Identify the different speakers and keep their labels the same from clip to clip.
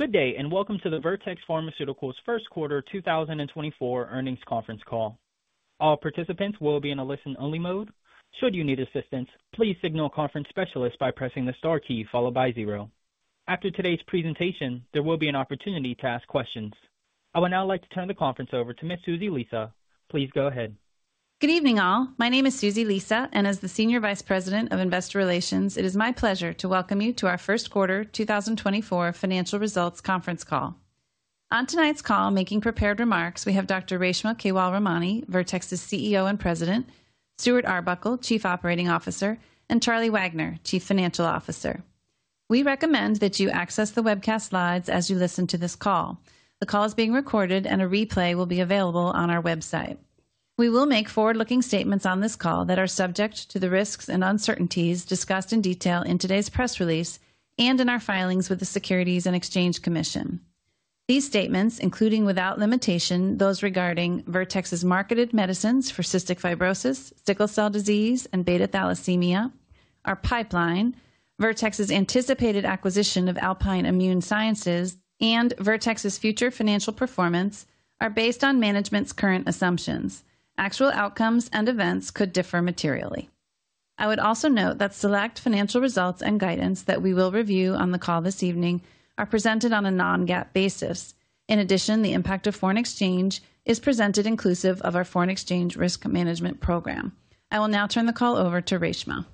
Speaker 1: Good day, and welcome to the Vertex Pharmaceuticals First Quarter 2024 earnings conference call. All participants will be in a listen-only mode. Should you need assistance, please signal a conference specialist by pressing the star key followed by zero. After today's presentation, there will be an opportunity to ask questions. I would now like to turn the conference over to Miss Susie Lisa. Please go ahead.
Speaker 2: Good evening, all. My name is Susie Lisa, and as the Senior Vice President of Investor Relations, it is my pleasure to welcome you to our first quarter 2024 financial results conference call. On tonight's call, making prepared remarks, we have Dr. Reshma Kewalramani, Vertex's CEO and President, Stuart Arbuckle, Chief Operating Officer, and Charlie Wagner, Chief Financial Officer. We recommend that you access the webcast slides as you listen to this call. The call is being recorded, and a replay will be available on our website. We will make forward-looking statements on this call that are subject to the risks and uncertainties discussed in detail in today's press release and in our filings with the Securities and Exchange Commission. These statements, including, without limitation, those regarding Vertex's marketed medicines for cystic fibrosis, sickle cell disease, and beta thalassemia, our pipeline, Vertex's anticipated acquisition of Alpine Immune Sciences, and Vertex's future financial performance, are based on management's current assumptions. Actual outcomes and events could differ materially. I would also note that select financial results and guidance that we will review on the call this evening are presented on a non-GAAP basis. In addition, the impact of foreign exchange is presented inclusive of our foreign exchange risk management program. I will now turn the call over to Reshma.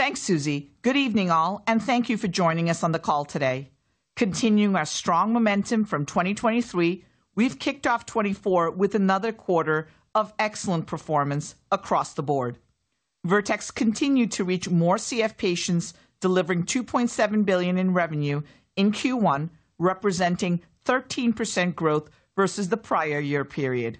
Speaker 3: Thanks, Susie. Good evening, all, and thank you for joining us on the call today. Continuing our strong momentum from 2023, we've kicked off 2024 with another quarter of excellent performance across the board. Vertex continued to reach more CF patients, delivering $2.7 billion in revenue in Q1, representing 13% growth versus the prior year period.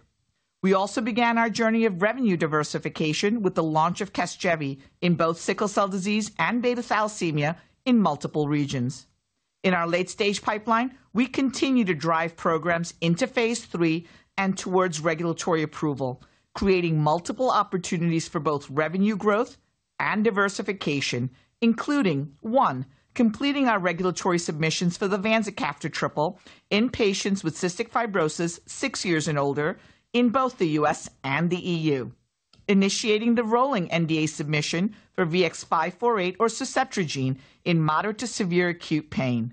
Speaker 3: We also began our journey of revenue diversification with the launch of Casgevy in both sickle cell disease and beta thalassemia in multiple regions. In our late-stage pipeline, we continue to drive programs into phase III and towards regulatory approval, creating multiple opportunities for both revenue growth and diversification, including, one, completing our regulatory submissions for the vanzacaftor triple in patients with cystic fibrosis 6 years and older in both the U.S. and the E.U. Initiating the rolling NDA submission for VX-548, or suzetrigine, in moderate to severe acute pain.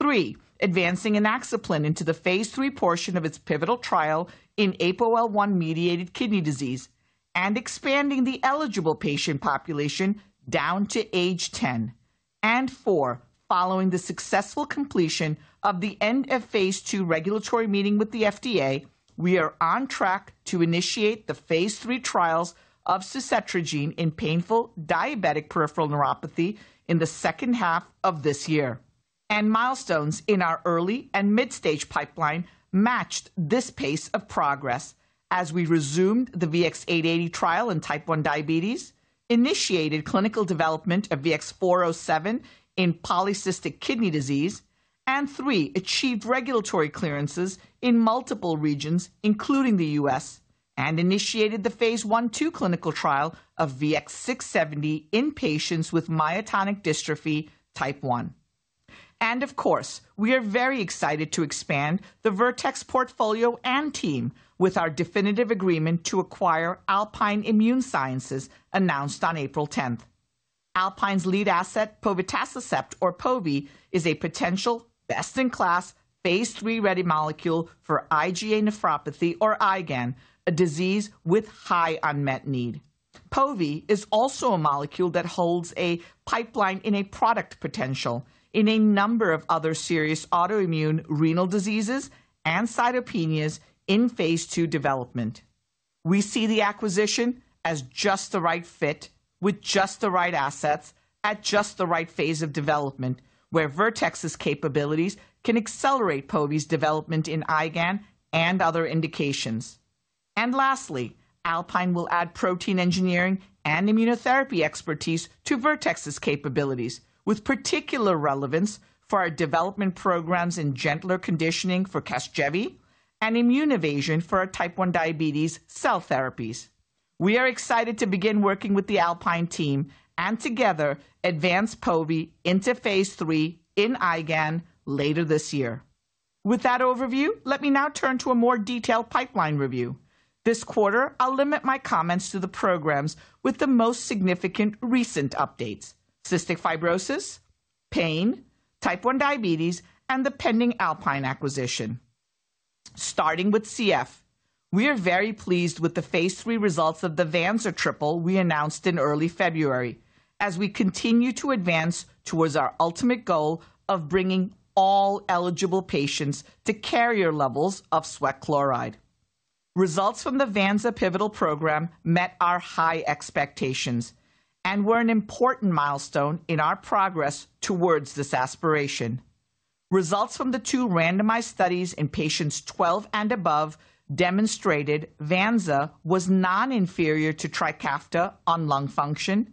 Speaker 3: Three, advancing inaxaplin into the phase 3 portion of its pivotal trial in APOL1-mediated kidney disease and expanding the eligible patient population down to age 10. And four, following the successful completion of the end of phase 2 regulatory meeting with the FDA, we are on track to initiate the phase 3 trials of suzetrigine in painful diabetic peripheral neuropathy in the second half of this year. Milestones in our early and midstage pipeline matched this pace of progress as we resumed the VX-880 trial in type 1 diabetes, initiated clinical development of VX-407 in polycystic kidney disease, and three, achieved regulatory clearances in multiple regions, including the U.S., and initiated the phase 1/2 clinical trial of VX-670 in patients with myotonic dystrophy type 1. Of course, we are very excited to expand the Vertex portfolio and team with our definitive agreement to acquire Alpine Immune Sciences, announced on April tenth. Alpine's lead asset, povetacicept or POVI, is a potential best-in-class, phase III-ready molecule for IgA nephropathy or IgAN, a disease with high unmet need. POVI is also a molecule that holds a pipeline in a product potential in a number of other serious autoimmune renal diseases and cytopenias in phase II development. We see the acquisition as just the right fit, with just the right assets at just the right phase of development, where Vertex's capabilities can accelerate POVI's development in IgAN and other indications. Lastly, Alpine will add protein engineering and immunotherapy expertise to Vertex's capabilities, with particular relevance for our development programs in gentler conditioning for Casgevy and immune evasion for our Type I diabetes cell therapies. We are excited to begin working with the Alpine team and together advance povetacicept into phase III in IgAN later this year. With that overview, let me now turn to a more detailed pipeline review. This quarter, I'll limit my comments to the programs with the most significant recent updates: cystic fibrosis, pain, Type 1 diabetes, and the pending Alpine acquisition. Starting with CF, we are very pleased with the phase III results of the vanzacaftor triple we announced in early February, as we continue to advance towards our ultimate goal of bringing all eligible patients to carrier levels of sweat chloride. Results from the vanzacaftor pivotal program met our high expectations and were an important milestone in our progress towards this aspiration. Results from the two randomized studies in patients 12 and above demonstrated vanzacaftor was non-inferior to Trikafta on lung function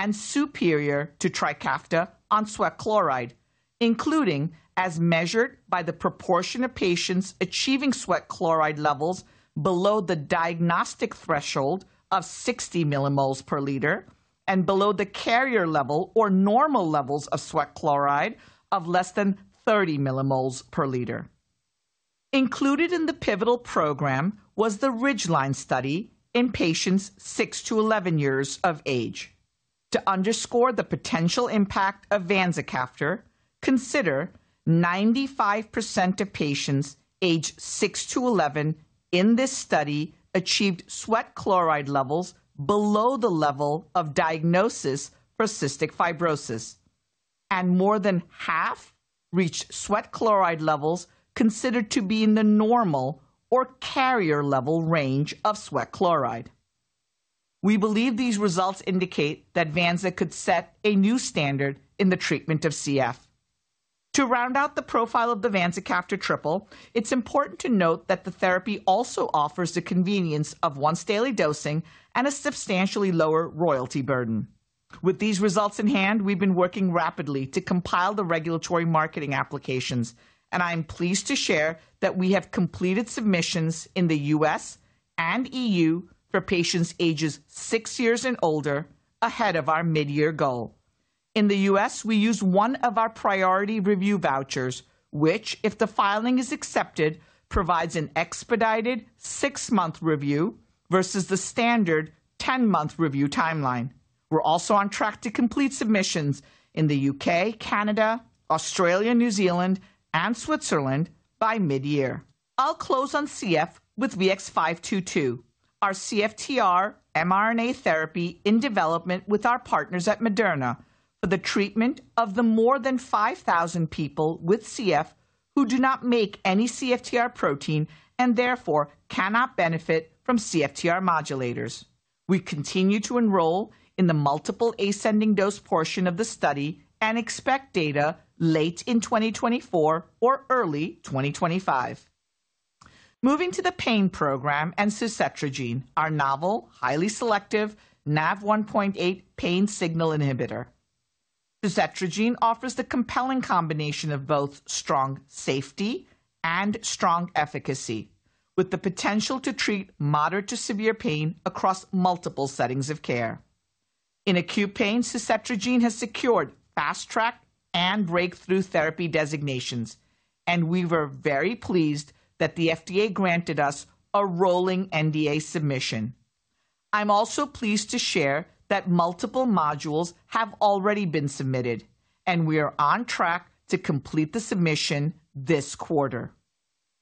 Speaker 3: and superior to Trikafta on sweat chloride, including as measured by the proportion of patients achieving sweat chloride levels below the diagnostic threshold of 60 millimoles per liter and below the carrier level or normal levels of sweat chloride of less than 30 millimoles per liter. Included in the pivotal program was the Ridgeline study in patients 6 to 11 years of age. To underscore the potential impact of vanzacaftor, consider 95% of patients aged 6 to 11 in this study achieved sweat chloride levels below the level of diagnosis for cystic fibrosis, and more than half reached sweat chloride levels considered to be in the normal or carrier-level range of sweat chloride. We believe these results indicate that vanzacaftor could set a new standard in the treatment of CF. To round out the profile of the vanzacaftor triple, it's important to note that the therapy also offers the convenience of once-daily dosing and a substantially lower royalty burden. With these results in hand, we've been working rapidly to compile the regulatory marketing applications, and I am pleased to share that we have completed submissions in the U.S. and E.U. for patients ages 6 years and older, ahead of our midyear goal. In the U.S., we use one of our priority review vouchers, which, if the filing is accepted, provides an expedited 6-month review versus the standard 10-month review timeline. We're also on track to complete submissions in the U.K., Canada, Australia, New Zealand, and Switzerland by midyear. I'll close on CF with VX-522, our CFTR mRNA therapy in development with our partners at Moderna for the treatment of the more than 5,000 people with CF who do not make any CFTR protein and therefore cannot benefit from CFTR modulators. We continue to enroll in the multiple ascending dose portion of the study and expect data late in 2024 or early 2025. Moving to the pain program and suzetrigine, our novel, highly selective NaV1.8 pain signal inhibitor. Suzetrigine offers the compelling combination of both strong safety and strong efficacy, with the potential to treat moderate to severe pain across multiple settings of care. In acute pain, suzetrigine has secured Fast Track and Breakthrough Therapy designations, and we were very pleased that the FDA granted us a rolling NDA submission. I'm also pleased to share that multiple modules have already been submitted, and we are on track to complete the submission this quarter.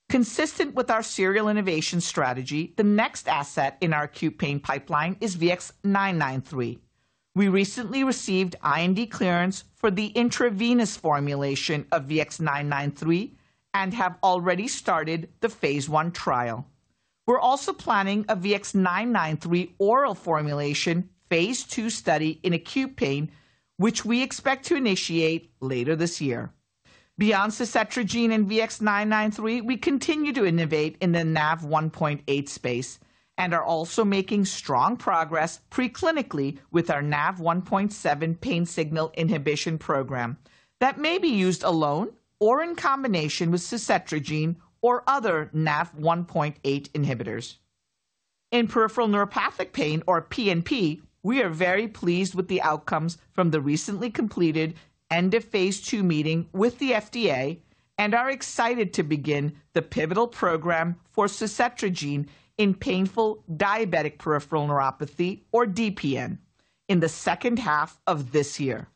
Speaker 3: Consistent with our serial innovation strategy, the next asset in our acute pain pipeline is VX-993. We recently received IND clearance for the intravenous formulation of VX-993 and have already started the phase 1 trial. We're also planning a VX-993 oral formulation phase 2 study in acute pain, which we expect to initiate later this year. Beyond suzetrigine and VX-993, we continue to innovate in the NaV1.8 space and are also making strong progress preclinically with our NaV1.7 pain signal inhibition program that may be used alone or in combination with suzetrigine or other NaV1.8 inhibitors. In peripheral neuropathic pain, or PNP, we are very pleased with the outcomes from the recently completed end-of-Phase 2 meeting with the FDA and are excited to begin the pivotal program for Suzetrigine in painful diabetic peripheral neuropathy, or DPN, in the second half of this year.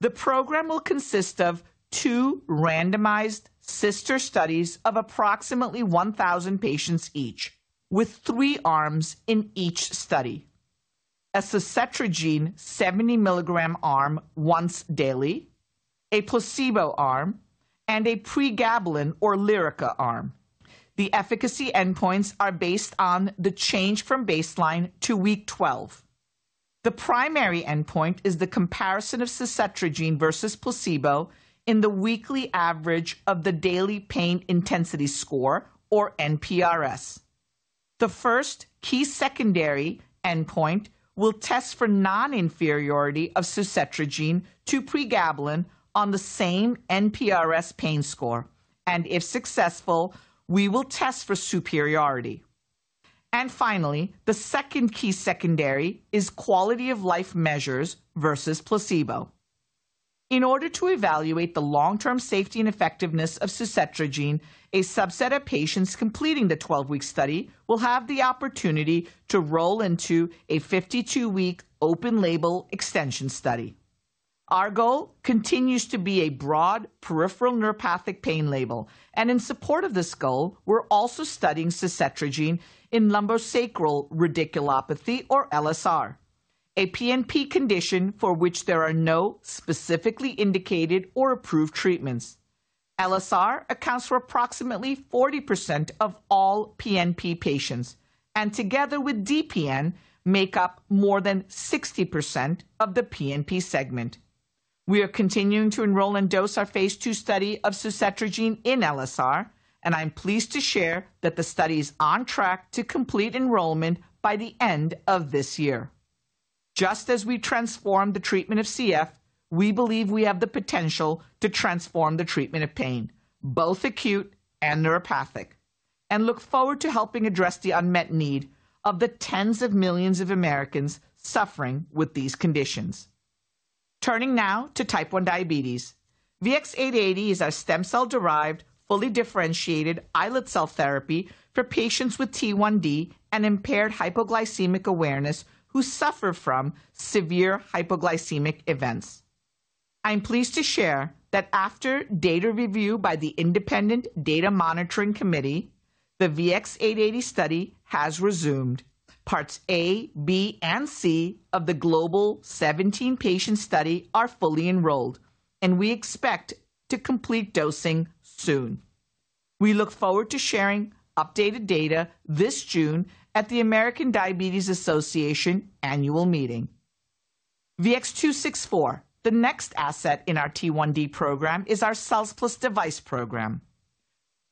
Speaker 3: The program will consist of two randomized sister studies of approximately 1,000 patients each, with three arms in each study: a Suzetrigine 70 milligram arm once daily, a placebo arm, and a Pregabalin or Lyrica arm. The efficacy endpoints are based on the change from baseline to week 12. The primary endpoint is the comparison of Suzetrigine versus placebo in the weekly average of the daily pain intensity score, or NPRS. The first key secondary endpoint will test for non-inferiority of Suzetrigine to Pregabalin on the same NPRS pain score, and if successful, we will test for superiority. Finally, the second key secondary is quality-of-life measures versus placebo. In order to evaluate the long-term safety and effectiveness of suzetrigine, a subset of patients completing the 12-week study will have the opportunity to roll into a 52-week open-label extension study. Our goal continues to be a broad peripheral neuropathic pain label, and in support of this goal, we're also studying suzetrigine in lumbosacral radiculopathy, or LSR, a PNP condition for which there are no specifically indicated or approved treatments. LSR accounts for approximately 40% of all PNP patients, and together with DPN, make up more than 60% of the PNP segment. We are continuing to enroll and dose our Phase 2 study of suzetrigine in LSR, and I'm pleased to share that the study is on track to complete enrollment by the end of this year. Just as we transform the treatment of CF, we believe we have the potential to transform the treatment of pain, both acute and neuropathic, and look forward to helping address the unmet need of the tens of millions of Americans suffering with these conditions. Turning now to Type 1 diabetes. VX-880 is our stem cell-derived, fully differentiated islet cell therapy for patients with T1D and impaired hypoglycemic awareness, who suffer from severe hypoglycemic events. I'm pleased to share that after data review by the Independent Data Monitoring Committee, the VX-880 study has resumed. Parts A, B, and C of the global 17-patient study are fully enrolled, and we expect to complete dosing soon. We look forward to sharing updated data this June at the American Diabetes Association annual meeting. VX-264, the next asset in our T1D program, is our cells plus device program.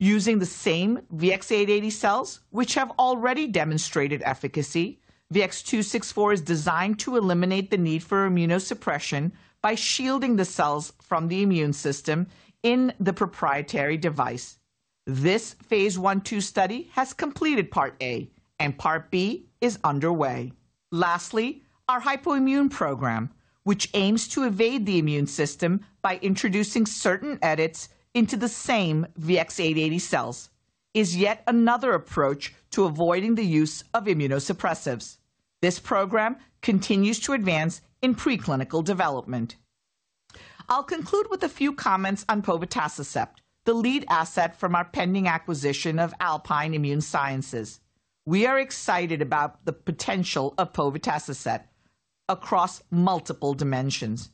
Speaker 3: Using the same VX-880 cells, which have already demonstrated efficacy, VX-264 is designed to eliminate the need for immunosuppression by shielding the cells from the immune system in the proprietary device. This phase 1, 2 study has completed part A, and part B is underway. Lastly, our hypoimmune program, which aims to evade the immune system by introducing certain edits into the same VX-880 cells, is yet another approach to avoiding the use of immunosuppressives. This program continues to advance in preclinical development. I'll conclude with a few comments on povetacicept, the lead asset from our pending acquisition of Alpine Immune Sciences. We are excited about the potential of povetacicept across multiple dimensions,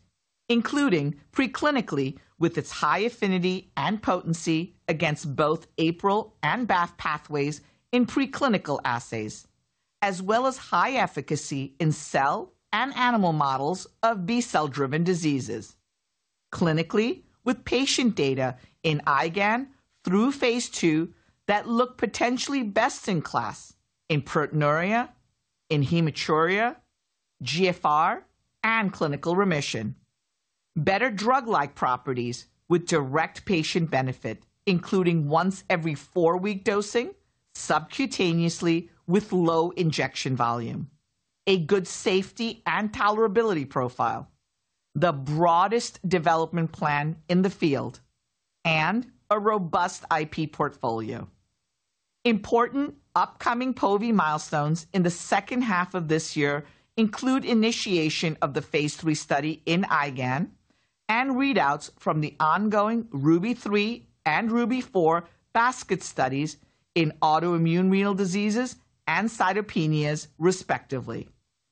Speaker 3: including preclinically, with its high affinity and potency against both APRIL and BAFF pathways in preclinical assays, as well as high efficacy in cell and animal models of B-cell-driven diseases. Clinically, with patient data in IGAN through phase 2, that look potentially best in class, in proteinuria, in hematuria, GFR, and clinical remission. Better drug-like properties with direct patient benefit, including once every 4-week dosing subcutaneously with low injection volume, a good safety and tolerability profile, the broadest development plan in the field, and a robust IP portfolio. Important upcoming POVI milestones in the second half of this year include initiation of the phase 3 study in IGAN and readouts from the ongoing Ruby 3 and Ruby 4 basket studies in autoimmune renal diseases and cytopenias, respectively.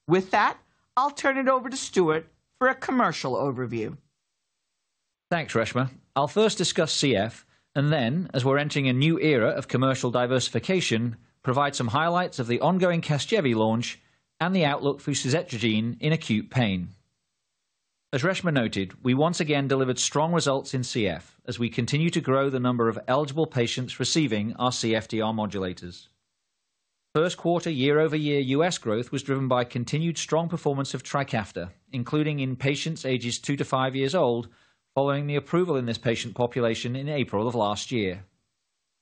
Speaker 3: With that, I'll turn it over to Stuart for a commercial overview.
Speaker 4: Thanks, Reshma. I'll first discuss CF, and then, as we're entering a new era of commercial diversification, provide some highlights of the ongoing Casgevy launch and the outlook for suzetrigine in acute pain. As Reshma noted, we once again delivered strong results in CF as we continue to grow the number of eligible patients receiving our CFTR modulators. First quarter, year-over-year U.S. growth was driven by continued strong performance of Trikafta, including in patients ages two to five years old, following the approval in this patient population in April of last year.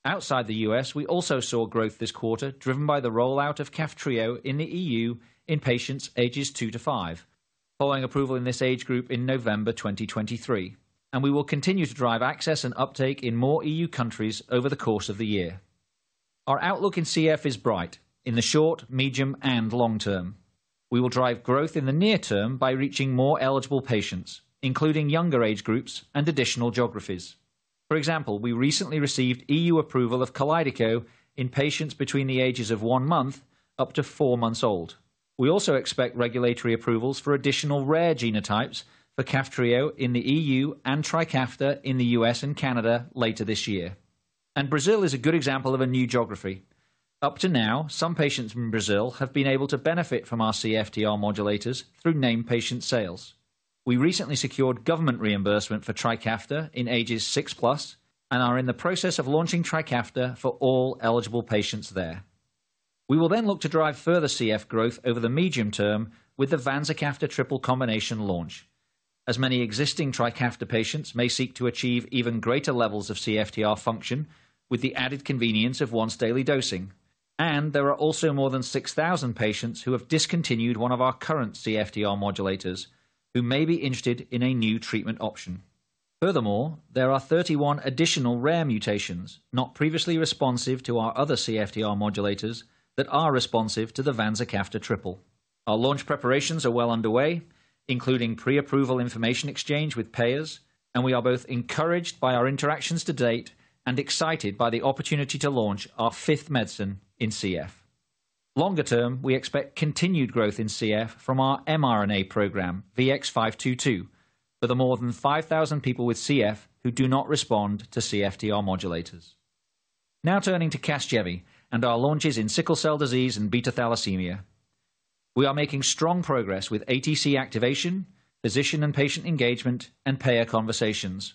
Speaker 4: Outside the U.S., we also saw growth this quarter, driven by the rollout of Kaftrio in the EU in patients ages two to five, following approval in this age group in November 2023, and we will continue to drive access and uptake in more EU countries over the course of the year. Our outlook in CF is bright in the short, medium, and long term. We will drive growth in the near term by reaching more eligible patients, including younger age groups and additional geographies. For example, we recently received EU approval of Kalydeco in patients between the ages of one month up to four months old. We also expect regulatory approvals for additional rare genotypes for Kaftrio in the EU and Trikafta in the US and Canada later this year. Brazil is a good example of a new geography. Up to now, some patients from Brazil have been able to benefit from our CFTR modulators through named patient sales. We recently secured government reimbursement for Trikafta in ages 6+ and are in the process of launching Trikafta for all eligible patients there. We will then look to drive further CF growth over the medium term with the vanzacaftor triple combination launch. As many existing Trikafta patients may seek to achieve even greater levels of CFTR function with the added convenience of once-daily dosing, and there are also more than 6,000 patients who have discontinued one of our current CFTR modulators, who may be interested in a new treatment option. Furthermore, there are 31 additional rare mutations, not previously responsive to our other CFTR modulators, that are responsive to the vanzacaftor triple. Our launch preparations are well underway, including pre-approval information exchange with payers, and we are both encouraged by our interactions to date and excited by the opportunity to launch our fifth medicine in CF. Longer term, we expect continued growth in CF from our mRNA program, VX-522, for the more than 5,000 people with CF who do not respond to CFTR modulators. Now, turning to Casgevy and our launches in sickle cell disease and beta thalassemia. We are making strong progress with ATC activation, physician and patient engagement, and payer conversations.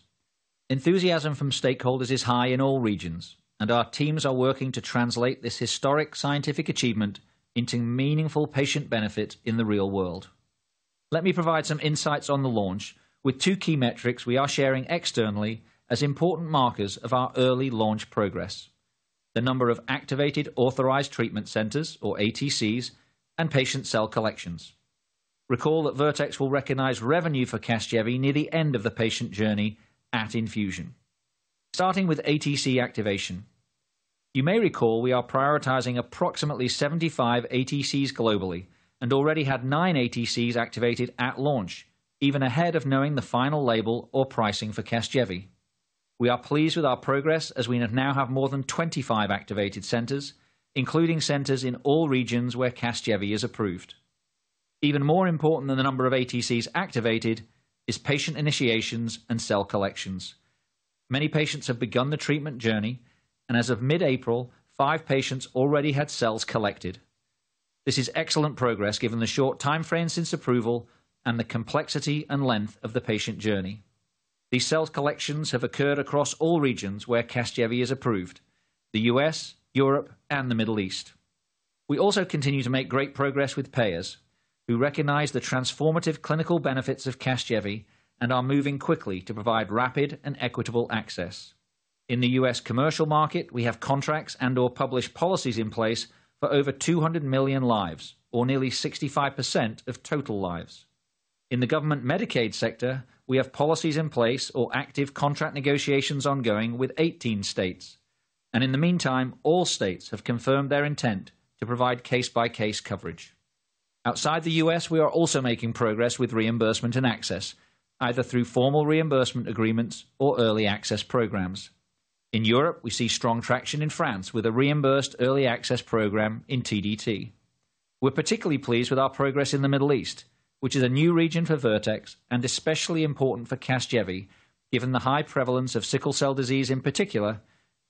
Speaker 4: Enthusiasm from stakeholders is high in all regions, and our teams are working to translate this historic scientific achievement into meaningful patient benefit in the real world. Let me provide some insights on the launch with two key metrics we are sharing externally as important markers of our early launch progress. The number of activated authorized treatment centers, or ATCs, and patient cell collections. Recall that Vertex will recognize revenue for Casgevy near the end of the patient journey at infusion. Starting with ATC activation, you may recall we are prioritizing approximately 75 ATCs globally and already had 9 ATCs activated at launch, even ahead of knowing the final label or pricing for Casgevy. We are pleased with our progress as we now have more than 25 activated centers, including centers in all regions where Casgevy is approved. Even more important than the number of ATCs activated is patient initiations and cell collections. Many patients have begun the treatment journey, and as of mid-April, 5 patients already had cells collected. This is excellent progress given the short time frame since approval and the complexity and length of the patient journey. These cell collections have occurred across all regions where Casgevy is approved: the U.S., Europe, and the Middle East. We also continue to make great progress with payers, who recognize the transformative clinical benefits of Casgevy and are moving quickly to provide rapid and equitable access. In the U.S. commercial market, we have contracts and or published policies in place for over 200 million lives, or nearly 65% of total lives. In the government Medicaid sector, we have policies in place or active contract negotiations ongoing with 18 states, and in the meantime, all states have confirmed their intent to provide case-by-case coverage. Outside the U.S., we are also making progress with reimbursement and access, either through formal reimbursement agreements or early access programs. In Europe, we see strong traction in France with a reimbursed early access program in TDT. We're particularly pleased with our progress in the Middle East, which is a new region for Vertex and especially important for Casgevy, given the high prevalence of sickle cell disease in particular,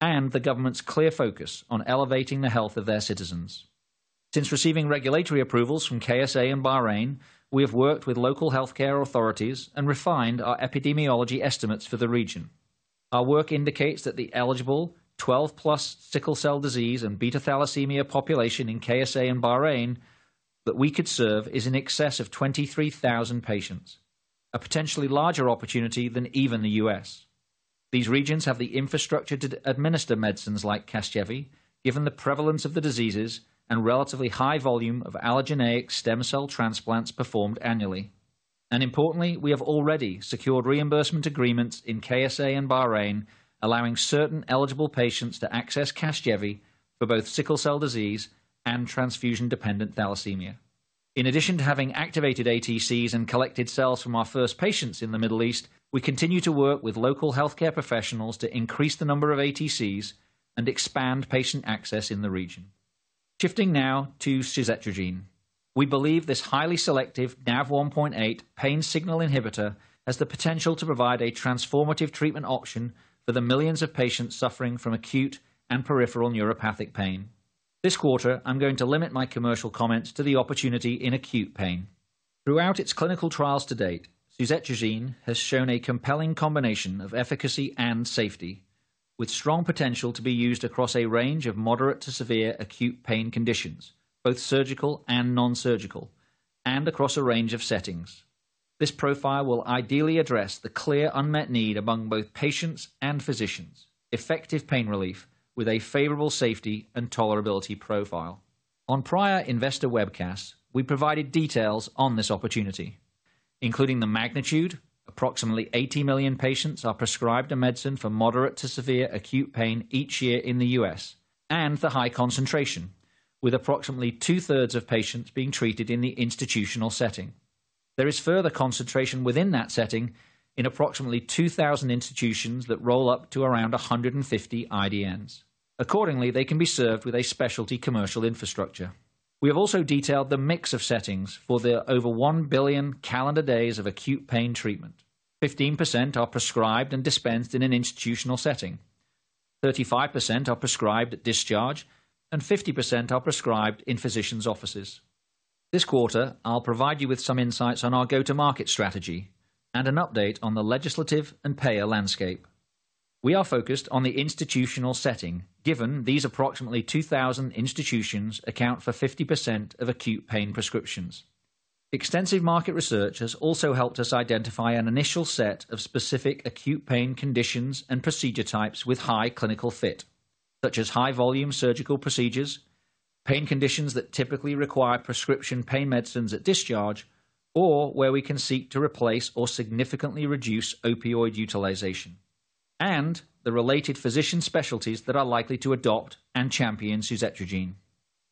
Speaker 4: and the government's clear focus on elevating the health of their citizens. Since receiving regulatory approvals from KSA and Bahrain, we have worked with local healthcare authorities and refined our epidemiology estimates for the region. Our work indicates that the eligible 12+ sickle cell disease and beta thalassemia population in KSA and Bahrain that we could serve is in excess of 23,000 patients, a potentially larger opportunity than even the US. These regions have the infrastructure to administer medicines like Casgevy, given the prevalence of the diseases and relatively high volume of allogeneic stem cell transplants performed annually. Importantly, we have already secured reimbursement agreements in KSA and Bahrain, allowing certain eligible patients to access Casgevy for both sickle cell disease and transfusion-dependent thalassemia. In addition to having activated ATCs and collected cells from our first patients in the Middle East, we continue to work with local healthcare professionals to increase the number of ATCs and expand patient access in the region. Shifting now to suzetrigine. We believe this highly selective NaV1.8 pain signal inhibitor has the potential to provide a transformative treatment option for the millions of patients suffering from acute and peripheral neuropathic pain. This quarter, I'm going to limit my commercial comments to the opportunity in acute pain. Throughout its clinical trials to date, suzetrigine has shown a compelling combination of efficacy and safety, with strong potential to be used across a range of moderate to severe acute pain conditions, both surgical and nonsurgical, and across a range of settings. This profile will ideally address the clear unmet need among both patients and physicians: effective pain relief with a favorable safety and tolerability profile. On prior investor webcasts, we provided details on this opportunity, including the magnitude. Approximately 80 million patients are prescribed a medicine for moderate to severe acute pain each year in the U.S., and the high concentration, with approximately two-thirds of patients being treated in the institutional setting. There is further concentration within that setting in approximately 2,000 institutions that roll up to around 150 IDNs. Accordingly, they can be served with a specialty commercial infrastructure. We have also detailed the mix of settings for the over 1 billion calendar days of acute pain treatment. 15% are prescribed and dispensed in an institutional setting, 35% are prescribed at discharge, and 50% are prescribed in physicians' offices. This quarter, I'll provide you with some insights on our go-to-market strategy and an update on the legislative and payer landscape. We are focused on the institutional setting, given these approximately 2,000 institutions account for 50% of acute pain prescriptions. Extensive market research has also helped us identify an initial set of specific acute pain conditions and procedure types with high clinical fit, such as high-volume surgical procedures, pain conditions that typically require prescription pain medicines at discharge, or where we can seek to replace or significantly reduce opioid utilization, and the related physician specialties that are likely to adopt and champion suzetrigine.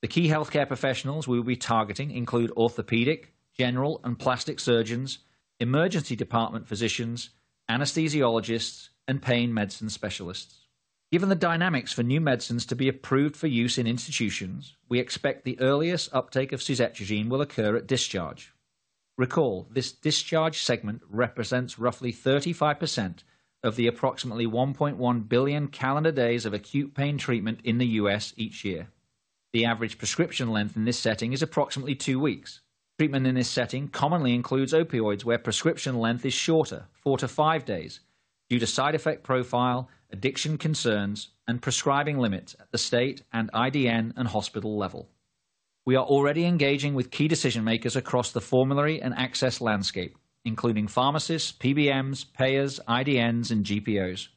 Speaker 4: The key healthcare professionals we will be targeting include orthopedic, general, and plastic surgeons, emergency department physicians, anesthesiologists, and pain medicine specialists. Given the dynamics for new medicines to be approved for use in institutions, we expect the earliest uptake of suzetrigine will occur at discharge. Recall, this discharge segment represents roughly 35% of the approximately 1.1 billion calendar days of acute pain treatment in the U.S. each year. The average prescription length in this setting is approximately 2 weeks. Treatment in this setting commonly includes opioids, where prescription length is shorter, 4-5 days, due to side effect profile, addiction concerns, and prescribing limits at the state and IDN and hospital level. We are already engaging with key decision makers across the formulary and access landscape, including pharmacists, PBMs, payers, IDNs, and GPOs.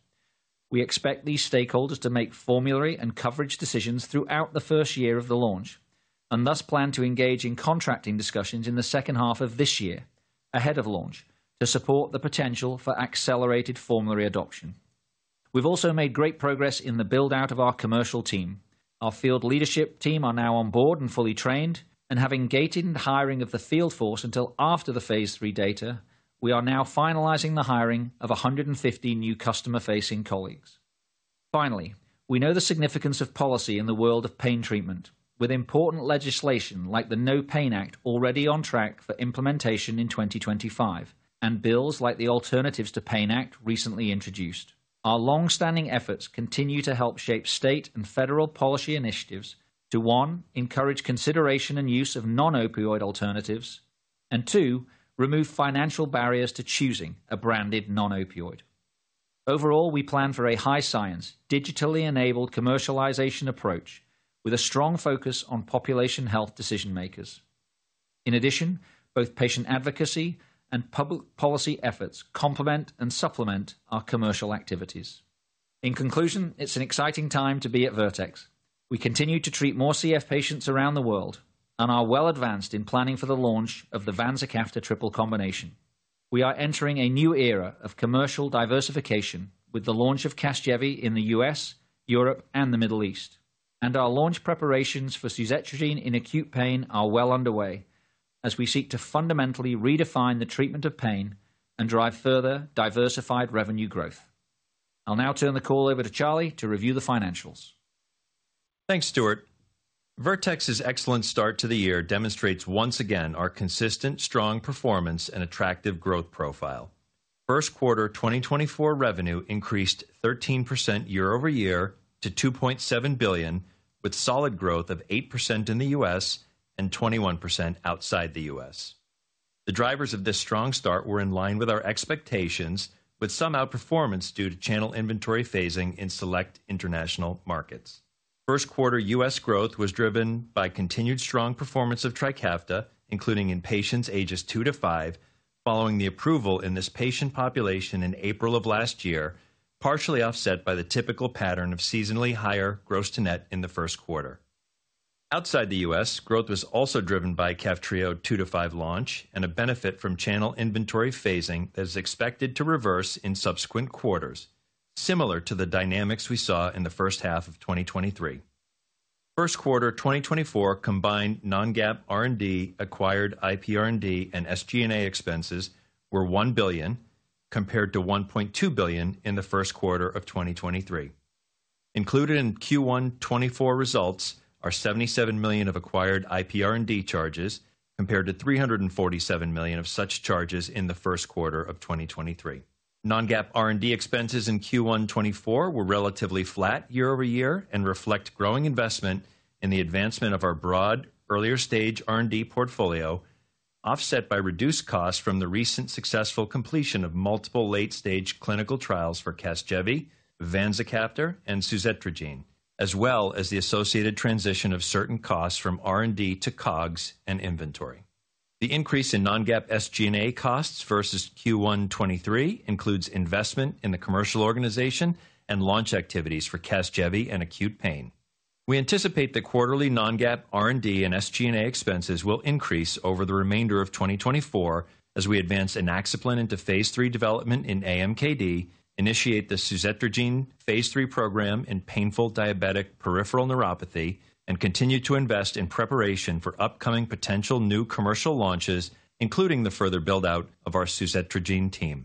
Speaker 4: We expect these stakeholders to make formulary and coverage decisions throughout the first year of the launch, and thus plan to engage in contracting discussions in the second half of this year, ahead of launch, to support the potential for accelerated formulary adoption. We've also made great progress in the build-out of our commercial team. Our field leadership team are now on board and fully trained, and having gated the hiring of the field force until after the phase 3 data, we are now finalizing the hiring of 150 new customer-facing colleagues. Finally, we know the significance of policy in the world of pain treatment, with important legislation like the NOPAIN Act already on track for implementation in 2025, and bills like the Alternatives to PAIN Act recently introduced. Our long-standing efforts continue to help shape state and federal policy initiatives to, one, encourage consideration and use of non-opioid alternatives, and two, remove financial barriers to choosing a branded non-opioid. Overall, we plan for a high science, digitally-enabled commercialization approach with a strong focus on population health decision makers. In addition, both patient advocacy and public policy efforts complement and supplement our commercial activities. In conclusion, it's an exciting time to be at Vertex. We continue to treat more CF patients around the world and are well advanced in planning for the launch of the Vanzacaftor triple combination. We are entering a new era of commercial diversification with the launch of Casgevy in the U.S., Europe, and the Middle East. And our launch preparations for suzetrigine in acute pain are well underway as we seek to fundamentally redefine the treatment of pain and drive further diversified revenue growth. I'll now turn the call over to Charlie to review the financials.
Speaker 5: Thanks, Stuart. Vertex's excellent start to the year demonstrates once again our consistent, strong performance and attractive growth profile. First quarter 2024 revenue increased 13% year-over-year to $2.7 billion, with solid growth of 8% in the U.S. and 21% outside the U.S. The drivers of this strong start were in line with our expectations, with some outperformance due to channel inventory phasing in select international markets. First quarter U.S. growth was driven by continued strong performance of Trikafta, including in patients ages 2 to 5, following the approval in this patient population in April of last year, partially offset by the typical pattern of seasonally higher gross to net in the first quarter. Outside the US, growth was also driven by Kaftrio, Trikafta launch and a benefit from channel inventory phasing that is expected to reverse in subsequent quarters, similar to the dynamics we saw in the first half of 2023. First quarter 2024 combined non-GAAP, R&D, acquired IP R&D, and SG&A expenses were $1 billion, compared to $1.2 billion in the first quarter of 2023. Included in Q1 2024 results are $77 million of acquired IP R&D charges, compared to $347 million of such charges in the first quarter of 2023. Non-GAAP R&D expenses in Q1 2024 were relatively flat year-over-year and reflect growing investment in the advancement of our broad, earlier-stage R&D portfolio, offset by reduced costs from the recent successful completion of multiple late-stage clinical trials for Casgevy, vanzacaftor, and suzetrigine, as well as the associated transition of certain costs from R&D to COGS and inventory. The increase in non-GAAP SG&A costs versus Q1 2023 includes investment in the commercial organization and launch activities for Casgevy and acute pain. We anticipate that quarterly non-GAAP R&D and SG&A expenses will increase over the remainder of 2024 as we advance Inaxaplin into phase III development in AMKD, initiate the suzetrigine phase III program in painful diabetic peripheral neuropathy, and continue to invest in preparation for upcoming potential new commercial launches, including the further build-out of our suzetrigine team.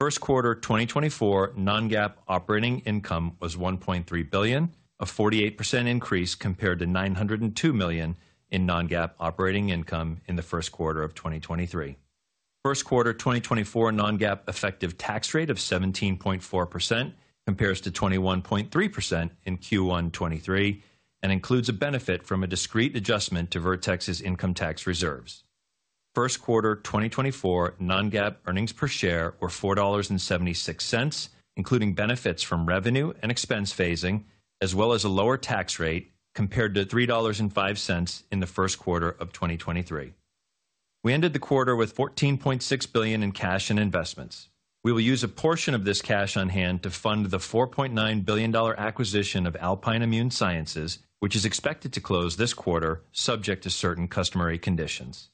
Speaker 5: First quarter 2024 non-GAAP operating income was $1.3 billion, a 48% increase compared to $902 million in non-GAAP operating income in the first quarter of 2023. First quarter 2024 non-GAAP effective tax rate of 17.4% compares to 21.3% in Q1 2023 and includes a benefit from a discrete adjustment to Vertex's income tax reserves. First quarter 2024 non-GAAP earnings per share were $4.76, including benefits from revenue and expense phasing, as well as a lower tax rate compared to $3.05 in the first quarter of 2023. We ended the quarter with $14.6 billion in cash and investments. We will use a portion of this cash on hand to fund the $4.9 billion acquisition of Alpine Immune Sciences, which is expected to close this quarter, subject to certain customary conditions.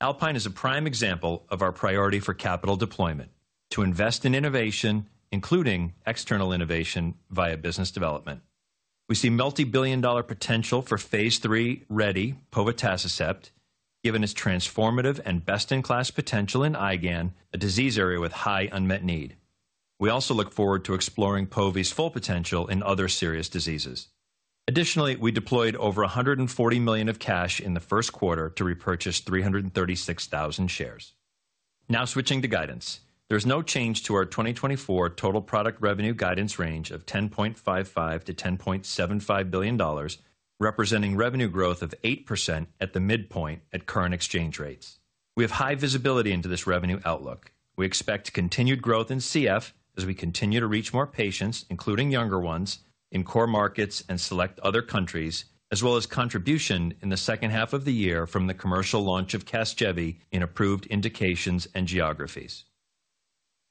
Speaker 5: Alpine is a prime example of our priority for capital deployment: to invest in innovation, including external innovation via business development. We see multibillion-dollar potential for phase III ready Povotacicept, given its transformative and best-in-class potential in IgAN, a disease area with high unmet need. We also look forward to exploring Povi's full potential in other serious diseases. Additionally, we deployed over $140 million of cash in the first quarter to repurchase 336,000 shares. Now, switching to guidance. There's no change to our 2024 total product revenue guidance range of $10.55 billion-$10.75 billion, representing revenue growth of 8% at the midpoint at current exchange rates. We have high visibility into this revenue outlook. We expect continued growth in CF as we continue to reach more patients, including younger ones, in core markets and select other countries, as well as contribution in the second half of the year from the commercial launch of Casgevy in approved indications and geographies.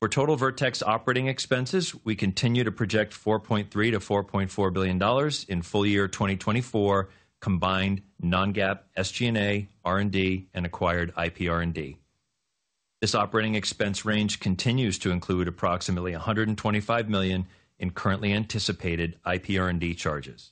Speaker 5: For total Vertex operating expenses, we continue to project $4.3 billion-$4.4 billion in full year 2024, combined non-GAAP, SG&A, R&D, and acquired IP R&D. This operating expense range continues to include approximately $125 million in currently anticipated IP R&D charges.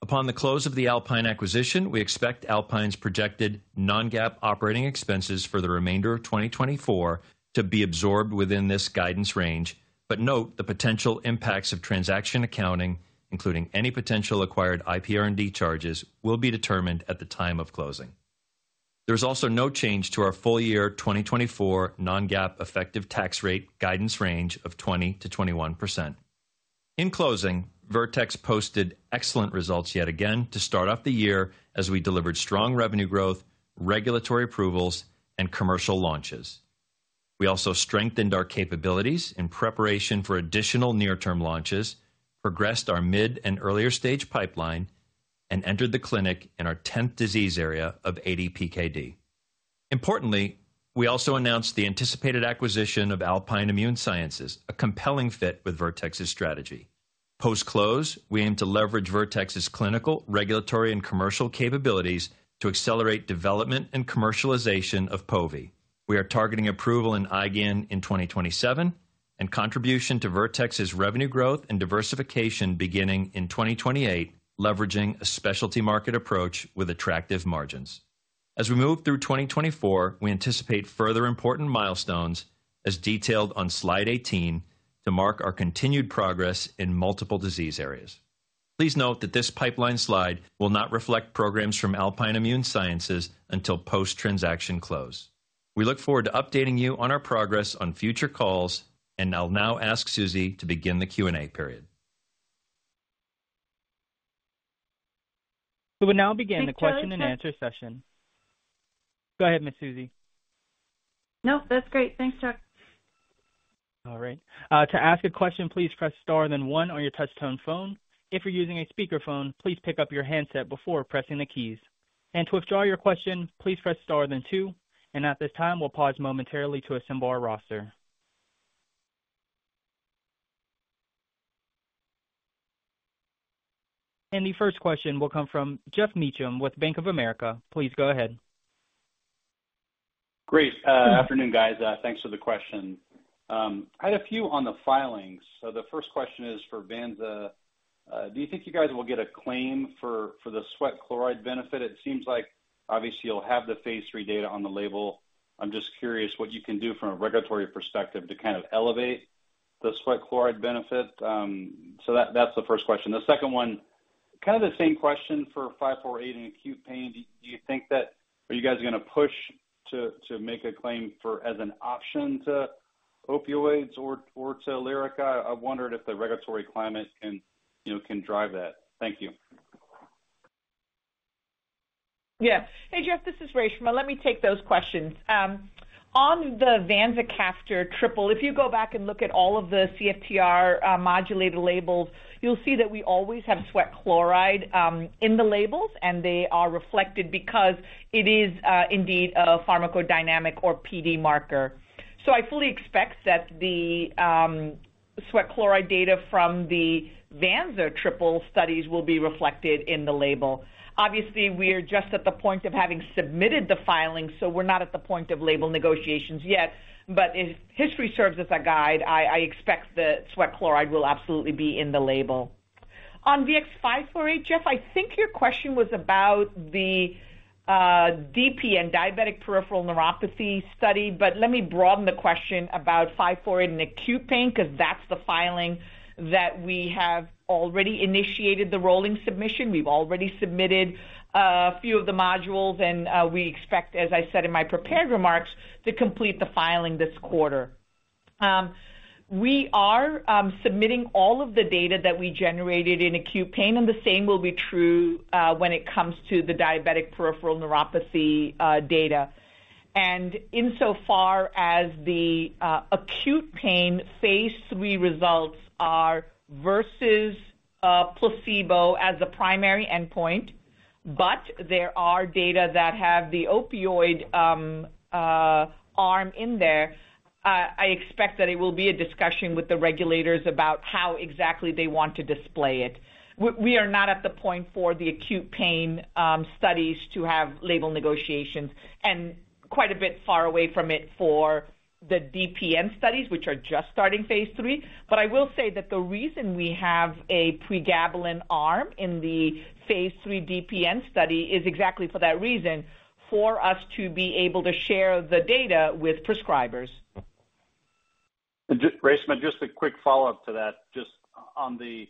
Speaker 5: Upon the close of the Alpine acquisition, we expect Alpine's projected non-GAAP operating expenses for the remainder of 2024 to be absorbed within this guidance range, but note the potential impacts of transaction accounting, including any potential acquired IP R&D charges, will be determined at the time of closing. There's also no change to our full year 2024 non-GAAP effective tax rate guidance range of 20%-21%. In closing, Vertex posted excellent results yet again to start off the year as we delivered strong revenue growth, regulatory approvals, and commercial launches. We also strengthened our capabilities in preparation for additional near-term launches, progressed our mid- and earlier-stage pipeline, and entered the clinic in our tenth disease area of ADPKD. Importantly, we also announced the anticipated acquisition of Alpine Immune Sciences, a compelling fit with Vertex's strategy. Post-close, we aim to leverage Vertex's clinical, regulatory, and commercial capabilities to accelerate development and commercialization of Povotacicept. We are targeting approval in IgAN in 2027 and contribution to Vertex's revenue growth and diversification beginning in 2028, leveraging a specialty market approach with attractive margins. As we move through 2024, we anticipate further important milestones, as detailed on slide 18, to mark our continued progress in multiple disease areas. Please note that this pipeline slide will not reflect programs from Alpine Immune Sciences until post-transaction close. We look forward to updating you on our progress on future calls, and I'll now ask Susie to begin the Q&A period.
Speaker 1: We will now begin the question and answer session. Go ahead, Miss Susie.
Speaker 2: Nope, that's great. Thanks, Chuck.
Speaker 1: All right. To ask a question, please press Star then one on your touch-tone phone. If you're using a speakerphone, please pick up your handset before pressing the keys. To withdraw your question, please press star then two, and at this time, we'll pause momentarily to assemble our roster. The first question will come from Geoff Meacham with Bank of America. Please go ahead.
Speaker 6: Great. Afternoon, guys, thanks for the question. I had a few on the filings. The first question is for Vanzacaftor. Do you think you guys will get a claim for the sweat chloride benefit? It seems like obviously you'll have the phase III data on the label. I'm just curious what you can do from a regulatory perspective to kind of elevate the sweat chloride benefit. That's the first question. The second one, kind of the same question for 548 in acute pain. Do you think that... Are you guys going to push to make a claim for as an option to opioids or to Lyrica? I wondered if the regulatory climate can, you know, can drive that. Thank you.
Speaker 3: Yeah. Hey, Jeff, this is Reshma. Let me take those questions. On the Vanzacaftor triple, if you go back and look at all of the CFTR modulator labels, you'll see that we always have sweat chloride in the labels, and they are reflected because it is indeed a pharmacodynamic or PD marker. So I fully expect that the sweat chloride data from the Vanzacaftor triple studies will be reflected in the label. Obviously, we are just at the point of having submitted the filing, so we're not at the point of label negotiations yet. But if history serves as a guide, I expect the sweat chloride will absolutely be in the label. On VX-548, Jeff, I think your question was about the DPN, diabetic peripheral neuropathy study, but let me broaden the question about 548 in acute pain, because that's the filing that we have already initiated the rolling submission. We've already submitted a few of the modules, and we expect, as I said in my prepared remarks, to complete the filing this quarter. We are submitting all of the data that we generated in acute pain, and the same will be true when it comes to the diabetic peripheral neuropathy data. And insofar as the acute pain phase III results are versus placebo as a primary endpoint, but there are data that have the opioid arm in there, I expect that it will be a discussion with the regulators about how exactly they want to display it. We are not at the point for the acute pain studies to have label negotiations and quite a bit far away from it for the DPN studies, which are just starting phase III. But I will say that the reason we have a Pregabalin arm in the phase III DPN study is exactly for that reason, for us to be able to share the data with prescribers.
Speaker 6: Just, Reshma, just a quick follow-up to that, just on the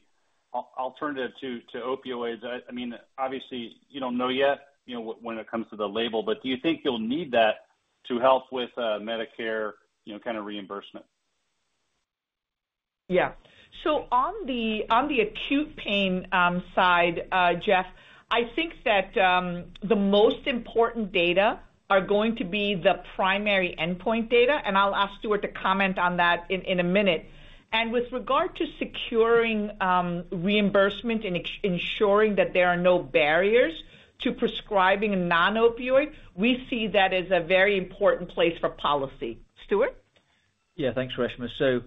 Speaker 6: alternative to opioids. I mean, obviously, you don't know yet, you know, when it comes to the label, but do you think you'll need that to help with Medicare, you know, kind of reimbursement?...
Speaker 3: Yeah. So on the acute pain side, Jeff, I think that the most important data are going to be the primary endpoint data, and I'll ask Stuart to comment on that in a minute. And with regard to securing reimbursement and ensuring that there are no barriers to prescribing a non-opioid, we see that as a very important place for policy. Stuart?
Speaker 4: Yeah, thanks, Reshma. So,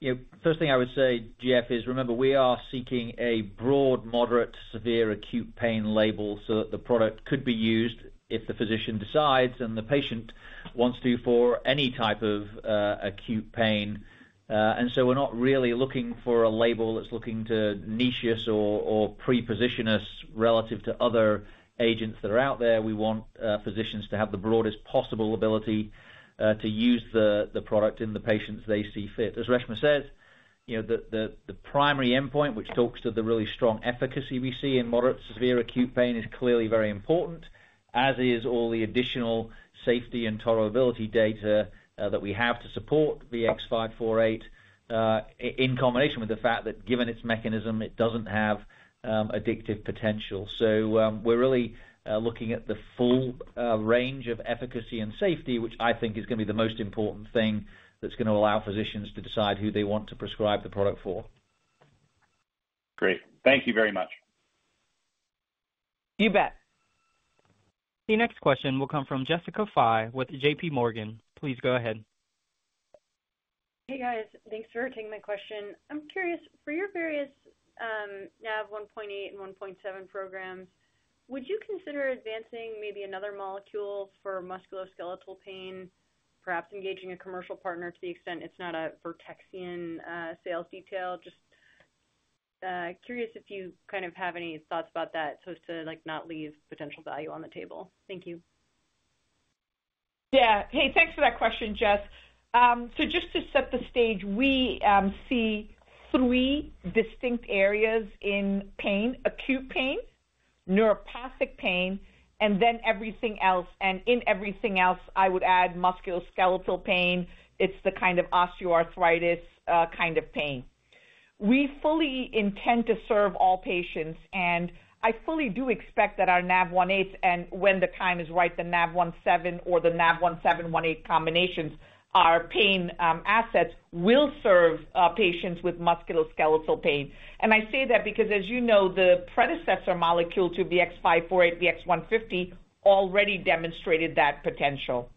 Speaker 4: you know, first thing I would say, Jeff, is remember, we are seeking a broad, moderate, severe acute pain label so that the product could be used if the physician decides and the patient wants to, for any type of acute pain. And so we're not really looking for a label that's looking to niche us or pre-position us relative to other agents that are out there. We want physicians to have the broadest possible ability to use the product in the patients they see fit. As Reshma says, you know, the primary endpoint, which talks to the really strong efficacy we see in moderate severe acute pain, is clearly very important, as is all the additional safety and tolerability data that we have to support VX-548 in combination with the fact that given its mechanism, it doesn't have addictive potential. So, we're really looking at the full range of efficacy and safety, which I think is gonna be the most important thing that's gonna allow physicians to decide who they want to prescribe the product for.
Speaker 6: Great. Thank you very much.
Speaker 3: You bet.
Speaker 1: The next question will come from Jessica Fye with J.P. Morgan. Please go ahead.
Speaker 7: Hey, guys. Thanks for taking my question. I'm curious, for your various NaV1.8 and NaV1.7 programs, would you consider advancing maybe another molecule for musculoskeletal pain, perhaps engaging a commercial partner to the extent it's not a Vertexian sales detail? Just curious if you kind of have any thoughts about that, so as to, like, not leave potential value on the table. Thank you.
Speaker 3: Yeah. Hey, thanks for that question, Jess. So just to set the stage, we see three distinct areas in pain: acute pain, neuropathic pain, and then everything else. And in everything else, I would add musculoskeletal pain. It's the kind of osteoarthritis kind of pain. We fully intend to serve all patients, and I fully do expect that our NaV1.8, and when the time is right, the NaV1.7 or the NaV1.7, 1.8 combinations, our pain assets will serve patients with musculoskeletal pain. And I say that because, as you know, the predecessor molecule to VX-548, VX-150, already demonstrated that potential.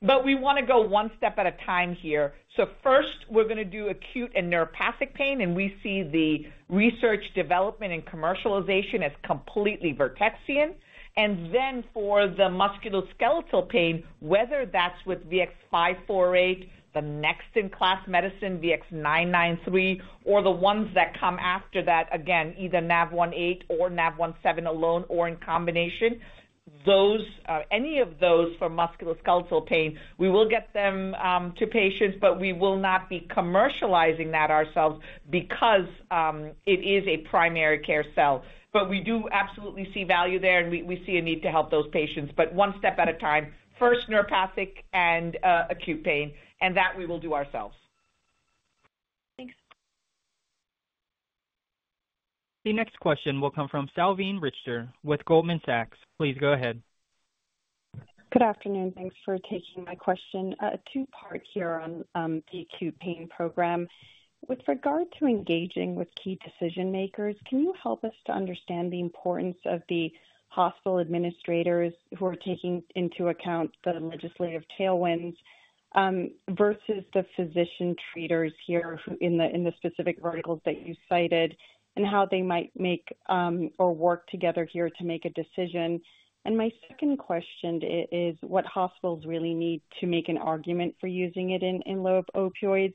Speaker 3: But we wanna go one step at a time here. So first, we're gonna do acute and neuropathic pain, and we see the research development and commercialization as completely Vertexian. And then for the musculoskeletal pain, whether that's with VX-548, the next-in-class medicine, VX-993, or the ones that come after that, again, either NaV1.8 or NaV1.7 alone or in combination, those, any of those for musculoskeletal pain, we will get them, to patients, but we will not be commercializing that ourselves because, it is a primary care setting. But we do absolutely see value there, and we, we see a need to help those patients. But one step at a time, first, neuropathic and, acute pain, and that we will do ourselves.
Speaker 7: Thanks.
Speaker 1: The next question will come from Salveen Richter with Goldman Sachs. Please go ahead.
Speaker 8: Good afternoon. Thanks for taking my question. Two-part here on the acute pain program. With regard to engaging with key decision makers, can you help us to understand the importance of the hospital administrators who are taking into account the legislative tailwinds versus the physician treaters here who, in the specific verticals that you cited, and how they might make or work together here to make a decision? And my second question is, what hospitals really need to make an argument for using it in lieu of opioids,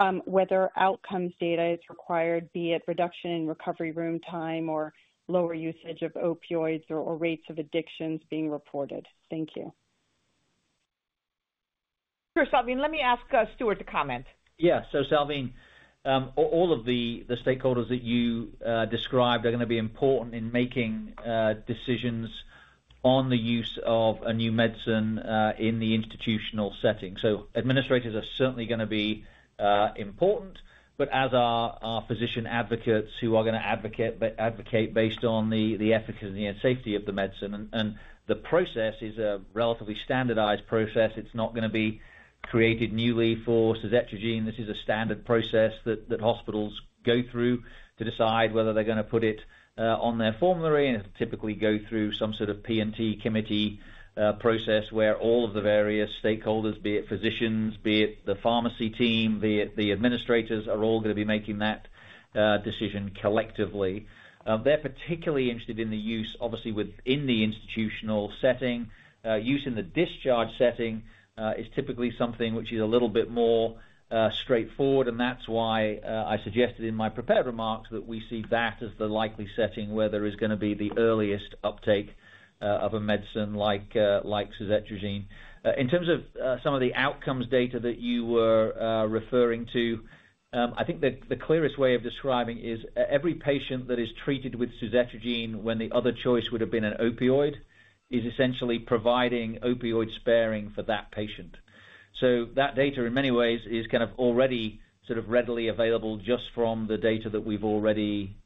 Speaker 8: and whether outcomes data is required, be it reduction in recovery room time or lower usage of opioids or rates of addictions being reported. Thank you.
Speaker 3: Sure, Salveen. Let me ask, Stuart to comment.
Speaker 4: Yeah. So, Salveen, all of the stakeholders that you described are gonna be important in making decisions on the use of a new medicine in the institutional setting. So administrators are certainly gonna be important, but as are our physician advocates who are gonna advocate, but advocate based on the efficacy and safety of the medicine. And the process is a relatively standardized process. It's not gonna be created newly for suzetrigine. This is a standard process that hospitals go through to decide whether they're gonna put it on their formulary, and it'll typically go through some sort of P&T committee process, where all of the various stakeholders, be it physicians, be it the pharmacy team, be it the administrators, are all gonna be making that decision collectively. They're particularly interested in the use, obviously, within the institutional setting. Use in the discharge setting is typically something which is a little bit more straightforward, and that's why I suggested in my prepared remarks that we see that as the likely setting, where there is gonna be the earliest uptake of a medicine like suzetrigine. In terms of some of the outcomes data that you were referring to, I think the clearest way of describing is every patient that is treated with suzetrigine, when the other choice would have been an opioid, is essentially providing opioid sparing for that patient. So that data, in many ways, is kind of already sort of readily available just from the data that we've already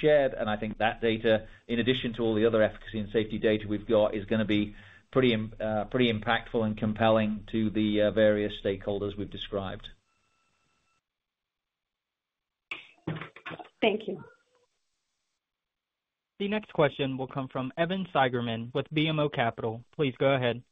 Speaker 4: shared. I think that data, in addition to all the other efficacy and safety data we've got, is gonna be pretty impactful and compelling to the various stakeholders we've described.
Speaker 8: Thank you.
Speaker 1: The next question will come from Evan Seigerman with BMO Capital. Please go ahead.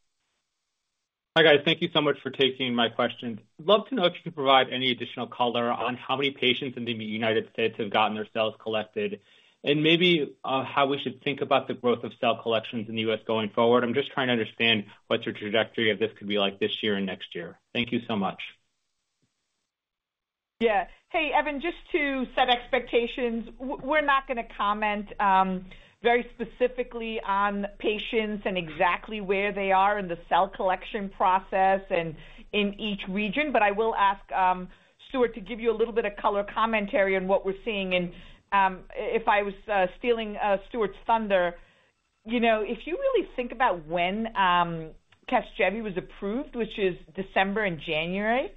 Speaker 9: Hi, guys. Thank you so much for taking my question. I'd love to know if you can provide any additional color on how many patients in the United States have gotten their cells collected, and maybe how we should think about the growth of cell collections in the U.S. going forward. I'm just trying to understand what your trajectory of this could be like this year and next year. Thank you so much.
Speaker 3: Yeah. Hey, Evan, just to set expectations, we're not gonna comment very specifically on patients and exactly where they are in the cell collection process and in each region. But I will ask Stuart to give you a little bit of color commentary on what we're seeing. And, if I was stealing Stuart's thunder, you know, if you really think about when Casgevy was approved, which is December and January,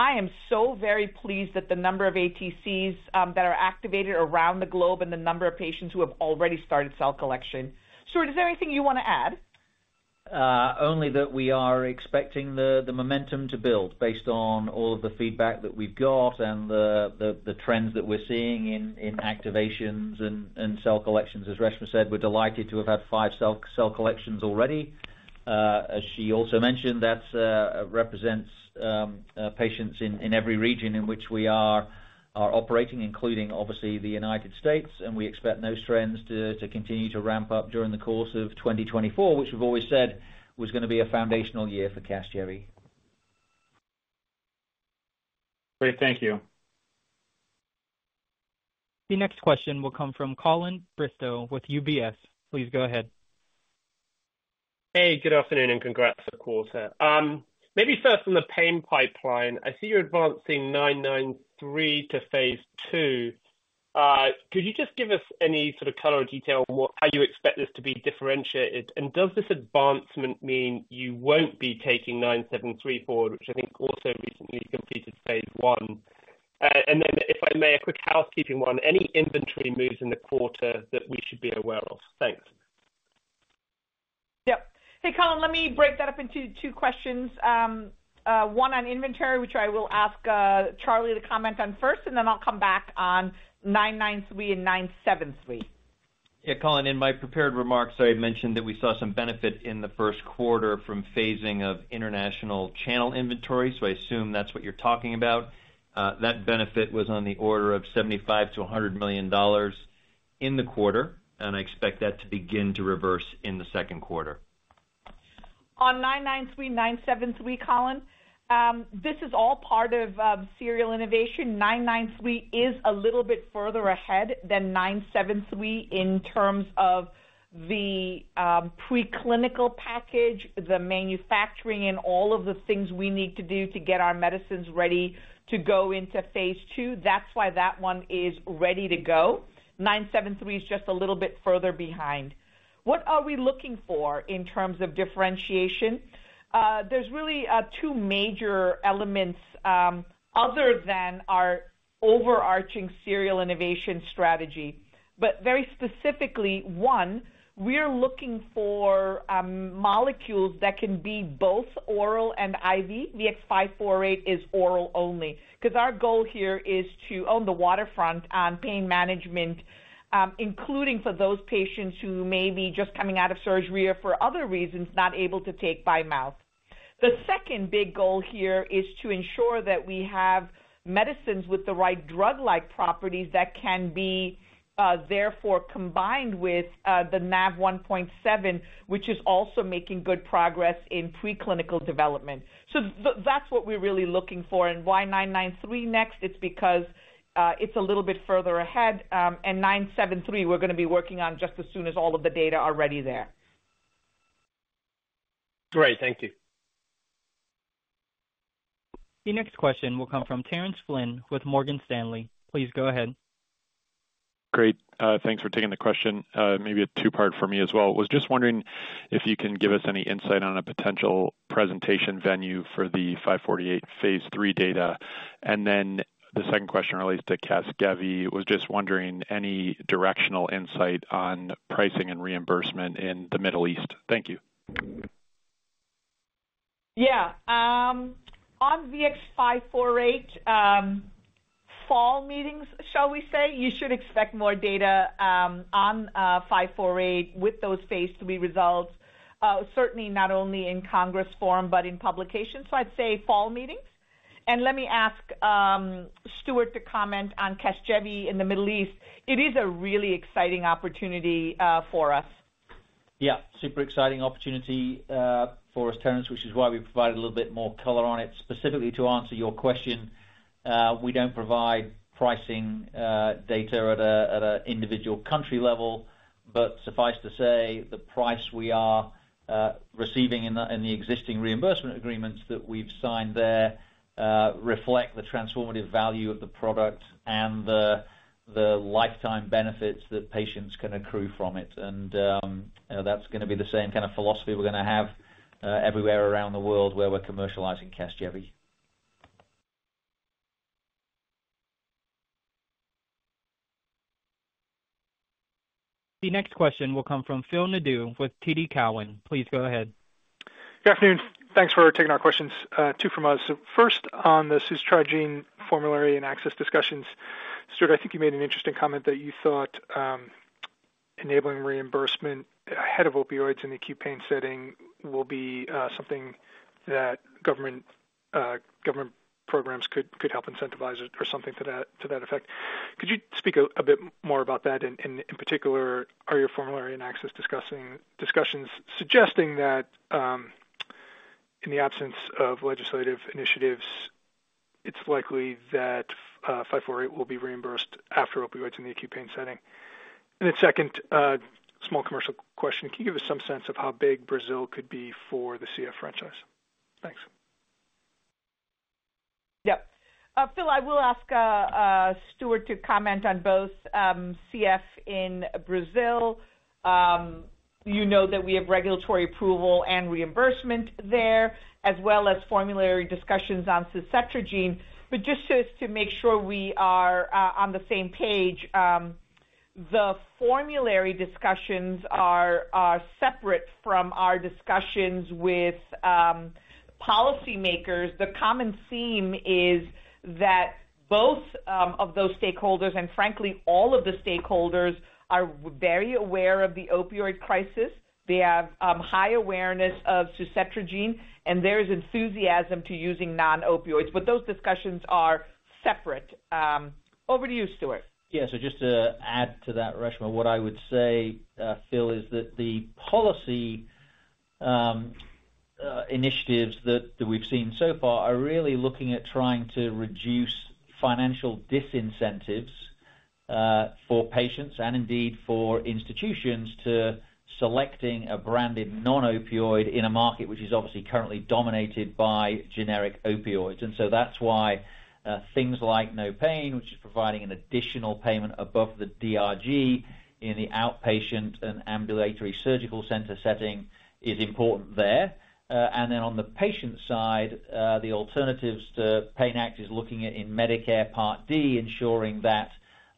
Speaker 3: I am so very pleased that the number of ATCs that are activated around the globe and the number of patients who have already started cell collection. Stuart, is there anything you wanna add?
Speaker 4: Only that we are expecting the momentum to build based on all of the feedback that we've got and the trends that we're seeing in activations and cell collections. As Reshma said, we're delighted to have had five cell collections already. As she also mentioned, that represents patients in every region in which we are operating, including, obviously, the United States, and we expect those trends to continue to ramp up during the course of 2024, which we've always said was gonna be a foundational year for Casgevy.
Speaker 9: Great. Thank you.
Speaker 1: The next question will come from Colin Bristow with UBS. Please go ahead.
Speaker 10: Hey, good afternoon, and congrats on the quarter. Maybe first on the pain pipeline, I see you're advancing 993 to phase 2. Could you just give us any sort of color or detail on how you expect this to be differentiated? And does this advancement mean you won't be taking 973 forward, which I think also recently completed phase 1? And then if I may, a quick housekeeping one, any inventory moves in the quarter that we should be aware of? Thanks.
Speaker 3: Yep. Hey, Colin, let me break that up into two questions. One on inventory, which I will ask Charlie to comment on first, and then I'll come back on 993 and 973.
Speaker 5: Yeah, Colin, in my prepared remarks, I had mentioned that we saw some benefit in the first quarter from phasing of international channel inventory, so I assume that's what you're talking about. That benefit was on the order of $75 million-$100 million in the quarter, and I expect that to begin to reverse in the second quarter.
Speaker 3: On 993, 973, Colin, this is all part of serial innovation. 993 is a little bit further ahead than 973 in terms of the preclinical package, the manufacturing and all of the things we need to do to get our medicines ready to go into phase 2. That's why that one is ready to go. 973 is just a little bit further behind. What are we looking for in terms of differentiation? There's really two major elements other than our overarching serial innovation strategy. But very specifically, one, we're looking for molecules that can be both oral and IV. VX-548 is oral only, 'cause our goal here is to own the waterfront on pain management, including for those patients who may be just coming out of surgery or for other reasons, not able to take by mouth. The second big goal here is to ensure that we have medicines with the right drug-like properties that can be, therefore, combined with the NaV1.7, which is also making good progress in preclinical development. So that's what we're really looking for. And why VX-993 next? It's because, it's a little bit further ahead, and VX-973, we're gonna be working on just as soon as all of the data are ready there.
Speaker 10: Great. Thank you.
Speaker 1: Your next question will come from Terence Flynn with Morgan Stanley. Please go ahead.
Speaker 11: Great. Thanks for taking the question. Maybe a two-part for me as well. Was just wondering if you can give us any insight on a potential presentation venue for the 548 phase 3 data. And then the second question relates to Casgevy. Was just wondering, any directional insight on pricing and reimbursement in the Middle East? Thank you.
Speaker 3: Yeah. On VX-548, fall meetings, shall we say, you should expect more data on 548 with those phase 3 results, certainly not only in congress forum, but in publication. So I'd say fall meetings. And let me ask Stuart to comment on Casgevy in the Middle East. It is a really exciting opportunity for us.
Speaker 4: Yeah, super exciting opportunity for us, Terence, which is why we provided a little bit more color on it. Specifically, to answer your question, we don't provide pricing data at an individual country level, but suffice to say, the price we are receiving in the existing reimbursement agreements that we've signed there reflect the transformative value of the product and the lifetime benefits that patients can accrue from it. And that's gonna be the same kind of philosophy we're gonna have everywhere around the world where we're commercializing Casgevy.
Speaker 1: The next question will come from Phil Nadeau with TD Cowen. Please go ahead.
Speaker 12: Good afternoon. Thanks for taking our questions, two from us. So first on the suzetrigine formulary and access discussions. Stuart, I think you made an interesting comment that you thought, enabling reimbursement ahead of opioids in the acute pain setting will be, something that government, government programs could help incentivize or something to that, to that effect. Could you speak a bit more about that, and in particular, are your formulary and access discussions suggesting that, in the absence of legislative initiatives, it's likely that 548 will be reimbursed after opioids in the acute pain setting? And then second, small commercial question, can you give us some sense of how big Brazil could be for the CF franchise? Thanks.
Speaker 3: Yep. Phil, I will ask Stuart to comment on both, CF in Brazil. You know that we have regulatory approval and reimbursement there, as well as formulary discussions on suzetrigine. But just to make sure we are on the same page, the formulary discussions are separate from our discussions with policymakers. The common theme is that both of those stakeholders, and frankly, all of the stakeholders, are very aware of the opioid crisis. They have high awareness of suzetrigine, and there is enthusiasm to using non-opioids, but those discussions are separate. Over to you, Stuart.
Speaker 4: Yeah, so just to add to that, Reshma, what I would say, Phil, is that the policy initiatives that we've seen so far are really looking at trying to reduce financial disincentives for patients and indeed for institutions to selecting a branded non-opioid in a market which is obviously currently dominated by generic opioids. So that's why things like NOPAIN, which is providing an additional payment above the DRG in the outpatient and ambulatory surgical center setting, is important there. And then on the patient side, the Alternatives to PAIN Act is looking at in Medicare Part D, ensuring that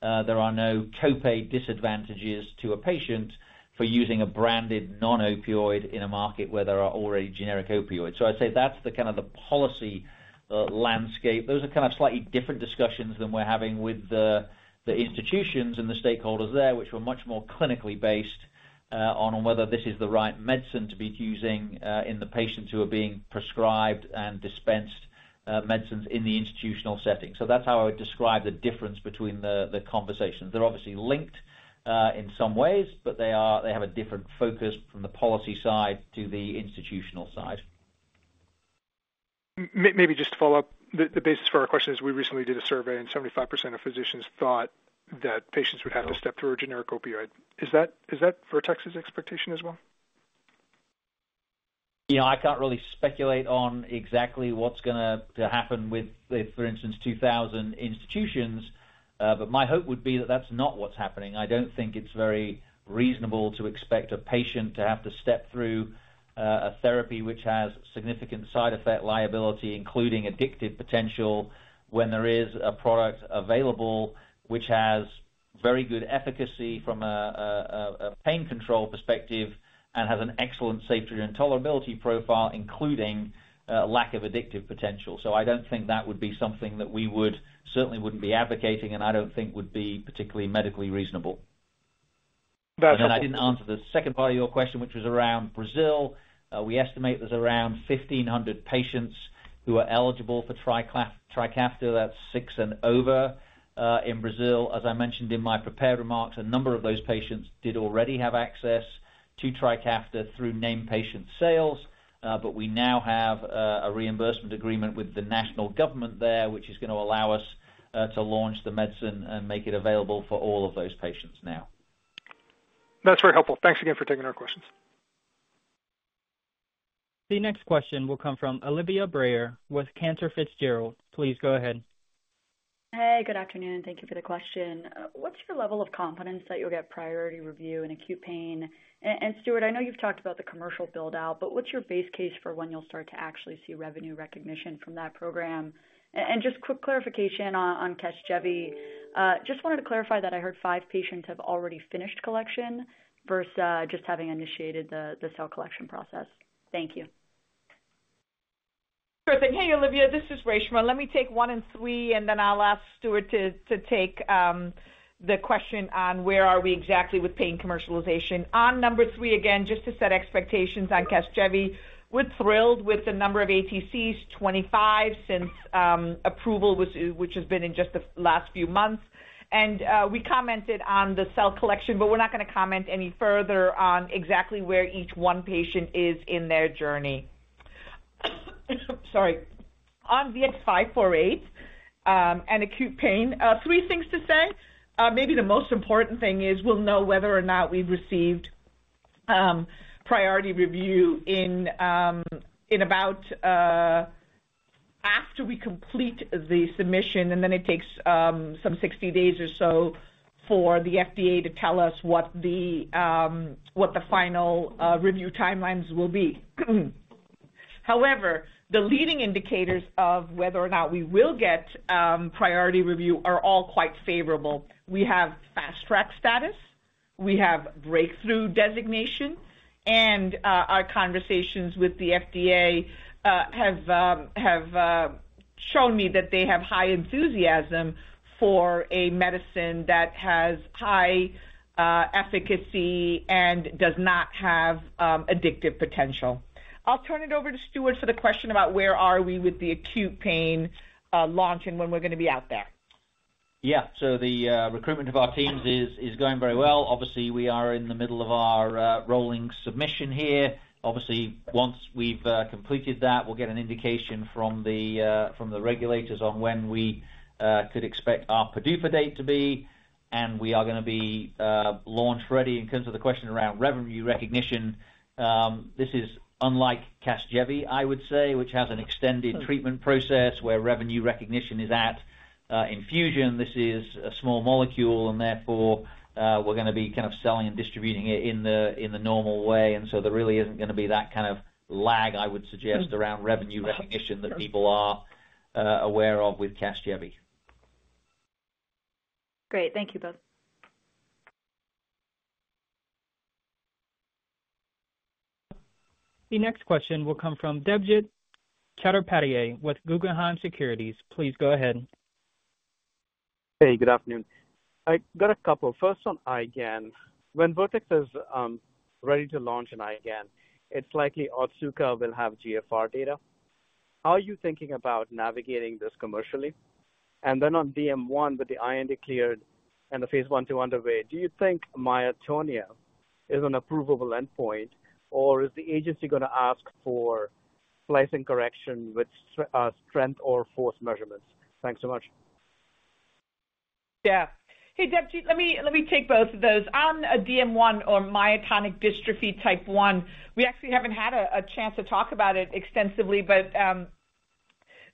Speaker 4: there are no copay disadvantages to a patient for using a branded non-opioid in a market where there are already generic opioids. So I'd say that's the kind of the policy landscape. Those are kind of slightly different discussions than we're having with the institutions and the stakeholders there, which were much more clinically based on whether this is the right medicine to be using in the patients who are being prescribed and dispensed medicines in the institutional setting. So that's how I would describe the difference between the conversations. They're obviously linked in some ways, but they are... They have a different focus from the policy side to the institutional side.
Speaker 12: Maybe just to follow up, the basis for our question is we recently did a survey, and 75% of physicians thought that patients would have to step through a generic opioid. Is that Vertex's expectation as well?
Speaker 4: You know, I can't really speculate on exactly what's gonna to happen with, for instance, 2,000 institutions, but my hope would be that that's not what's happening. I don't think it's very reasonable to expect a patient to have to step through a therapy which has significant side effect liability, including addictive potential, when there is a product available which has very good efficacy from a pain control perspective and has an excellent safety and tolerability profile, including lack of addictive potential. So I don't think that would be something that we would certainly wouldn't be advocating, and I don't think would be particularly medically reasonable.
Speaker 12: That's-
Speaker 4: I didn't answer the second part of your question, which was around Brazil. We estimate there's around 1,500 patients who are eligible for Trikafta. That's six and over in Brazil. As I mentioned in my prepared remarks, a number of those patients did already have access to Trikafta through named patient sales, but we now have a reimbursement agreement with the national government there, which is gonna allow us to launch the medicine and make it available for all of those patients now.
Speaker 12: That's very helpful. Thanks again for taking our questions.
Speaker 1: The next question will come from Olivia Brayer with Cantor Fitzgerald. Please go ahead.
Speaker 13: Hey, good afternoon, and thank you for the question. What's your level of confidence that you'll get priority review in acute pain? And Stuart, I know you've talked about the commercial build-out, but what's your base case for when you'll start to actually see revenue recognition from that program? And just quick clarification on Casgevy. Just wanted to clarify that I heard five patients have already finished collection versus just having initiated the cell collection process. Thank you.
Speaker 3: Perfect. Hey, Olivia, this is Reshma. Let me take one and three, and then I'll ask Stuart to take the question on where are we exactly with pain commercialization. On number three, again, just to set expectations on Casgevy, we're thrilled with the number of ATCs, 25, since approval, which has been in just the last few months. And we commented on the cell collection, but we're not gonna comment any further on exactly where each one patient is in their journey. Sorry. On VX-548 and acute pain, three things to say. Maybe the most important thing is we'll know whether or not we've received priority review in about after we complete the submission, and then it takes some 60 days or so for the FDA to tell us what the what the final review timelines will be.... However, the leading indicators of whether or not we will get priority review are all quite favorable. We have fast-track status, we have breakthrough designation, and our conversations with the FDA have have shown me that they have high enthusiasm for a medicine that has high efficacy and does not have addictive potential. I'll turn it over to Stuart for the question about where are we with the acute pain launch and when we're gonna be out there.
Speaker 4: Yeah. So the recruitment of our teams is going very well. Obviously, we are in the middle of our rolling submission here. Obviously, once we've completed that, we'll get an indication from the regulators on when we could expect our PDUFA date to be, and we are gonna be launch-ready. In terms of the question around revenue recognition, this is unlike Casgevy, I would say, which has an extended treatment process where revenue recognition is at infusion. This is a small molecule, and therefore, we're gonna be kind of selling and distributing it in the normal way, and so there really isn't gonna be that kind of lag, I would suggest, around revenue recognition that people are aware of with Casgevy.
Speaker 13: Great. Thank you, both.
Speaker 1: The next question will come from Debjit Chattopadhyay with Guggenheim Securities. Please go ahead.
Speaker 14: Hey, good afternoon. I got a couple. First, on IgAN. When Vertex is ready to launch an IgAN, it's likely Otsuka will have GFR data. How are you thinking about navigating this commercially? And then on DM1, with the IND cleared and the phase 1/2 underway, do you think myotonia is an approvable endpoint, or is the agency gonna ask for splicing correction with strength or force measurements? Thanks so much.
Speaker 3: Yeah. Hey, Debjit, let me, let me take both of those. On, DM1 or myotonic dystrophy type 1, we actually haven't had a chance to talk about it extensively, but,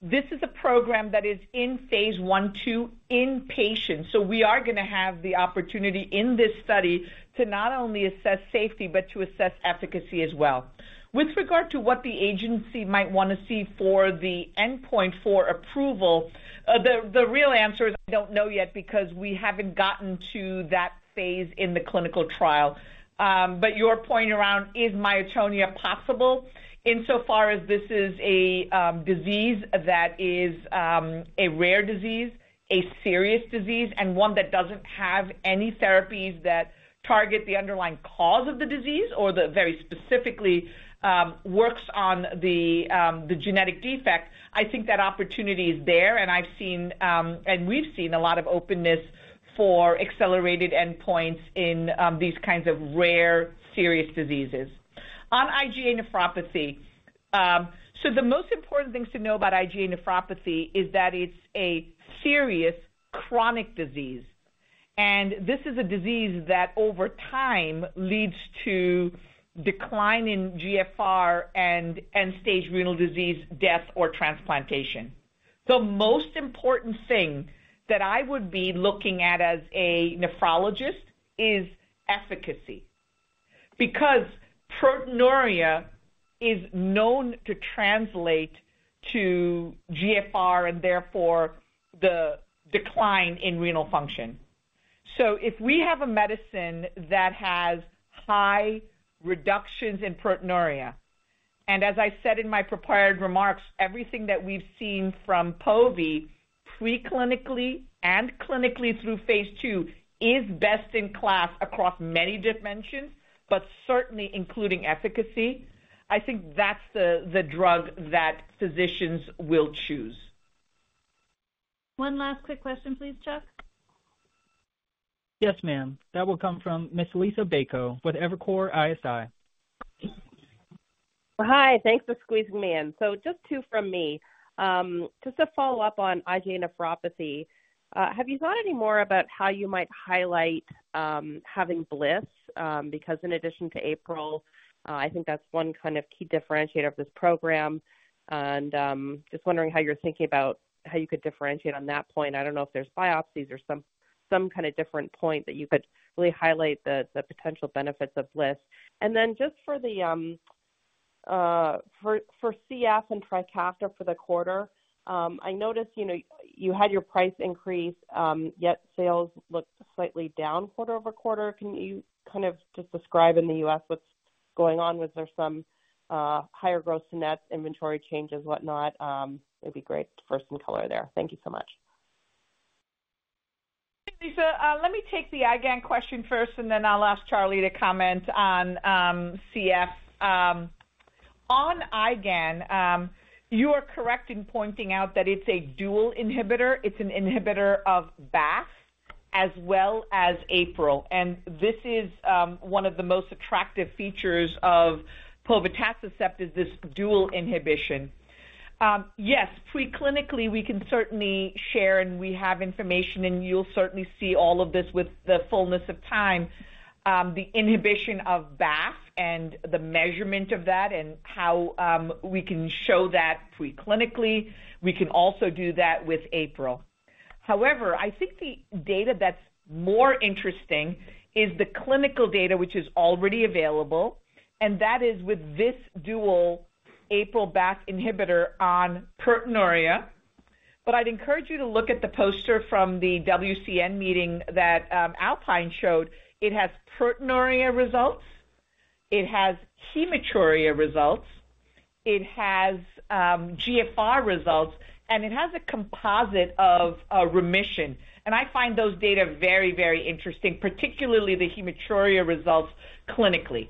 Speaker 3: this is a program that is in phase 1/2 in patients. So we are gonna have the opportunity in this study to not only assess safety, but to assess efficacy as well. With regard to what the agency might wanna see for the endpoint for approval, the real answer is, I don't know yet, because we haven't gotten to that phase in the clinical trial. But your point around, is myotonia possible? Insofar as this is a disease that is a rare disease, a serious disease, and one that doesn't have any therapies that target the underlying cause of the disease or that very specifically works on the genetic defect, I think that opportunity is there, and I've seen and we've seen a lot of openness for accelerated endpoints in these kinds of rare, serious diseases. On IgA Nephropathy, so the most important things to know about IgA Nephropathy is that it's a serious chronic disease, and this is a disease that over time leads to decline in GFR and end-stage renal disease, death, or transplantation. The most important thing that I would be looking at as a nephrologist is efficacy, because proteinuria is known to translate to GFR and therefore the decline in renal function. If we have a medicine that has high reductions in proteinuria, and as I said in my prepared remarks, everything that we've seen from povetacicept, preclinically and clinically through phase II, is best-in-class across many dimensions, but certainly including efficacy, I think that's the drug that physicians will choose.
Speaker 2: One last quick question, please, Chuck.
Speaker 1: Yes, ma'am. That will come from Ms. Lisa Bayko with Evercore ISI.
Speaker 15: Hi, thanks for squeezing me in. So just two from me. Just to follow up on IgA nephropathy, have you thought any more about how you might highlight having BAFF? Because in addition to APRIL, I think that's one kind of key differentiator of this program. Just wondering how you're thinking about how you could differentiate on that point. I don't know if there's biopsies or some kind of different point that you could really highlight the potential benefits of BAFF. Then just for CF and Trikafta for the quarter, I noticed, you know, you had your price increase, yet sales looked slightly down quarter-over-quarter. Can you kind of just describe in the U.S. what's going on? Was there some higher gross net inventory changes, whatnot? It'd be great for some color there. Thank you so much.
Speaker 3: Hey, Lisa, let me take the IgAN question first, and then I'll ask Charlie to comment on CF. On IgAN, you are correct in pointing out that it's a dual inhibitor. It's an inhibitor of BAFF as well as APRIL, and this is one of the most attractive features of povetacicept, is this dual inhibition. Yes, preclinically, we can certainly share, and we have information, and you'll certainly see all of this with the fullness of time, the inhibition of BAFF and the measurement of that and how we can show that preclinically. We can also do that with APRIL. However, I think the data that's more interesting is the clinical data, which is already available, and that is with this dual APRIL BAFF inhibitor on proteinuria. But I'd encourage you to look at the poster from the WCN meeting that Alpine showed. It has proteinuria results, it has hematuria results, it has GFR results, and it has a composite of remission. And I find those data very, very interesting, particularly the hematuria results clinically,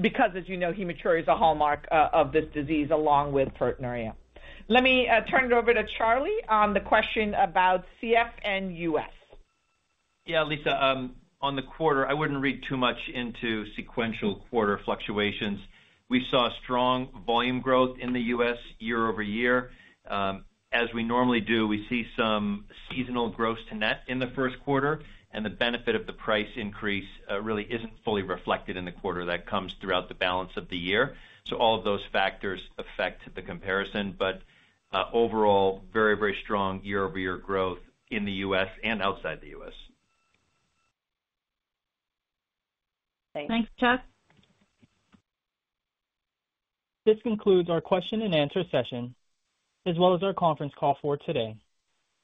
Speaker 3: because as you know, hematuria is a hallmark of this disease, along with proteinuria. Let me turn it over to Charlie on the question about CF and US.
Speaker 5: Yeah, Lisa, on the quarter, I wouldn't read too much into sequential quarter fluctuations. We saw strong volume growth in the U.S. year-over-year. As we normally do, we see some seasonal gross to net in the first quarter, and the benefit of the price increase really isn't fully reflected in the quarter. That comes throughout the balance of the year. So all of those factors affect the comparison, but, overall, very, very strong year-over-year growth in the U.S. and outside the U.S.
Speaker 3: Thanks, Chuck.
Speaker 1: This concludes our question and answer session, as well as our conference call for today.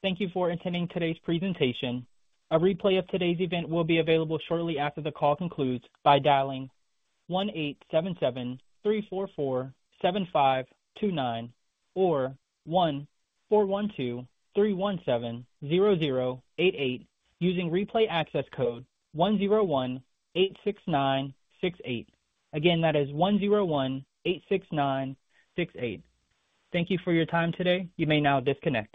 Speaker 1: Thank you for attending today's presentation. A replay of today's event will be available shortly after the call concludes by dialing 1-877-344-7529 or 1-412-317-0088, using replay access code 10186968. Again, that is 10186968. Thank you for your time today. You may now disconnect.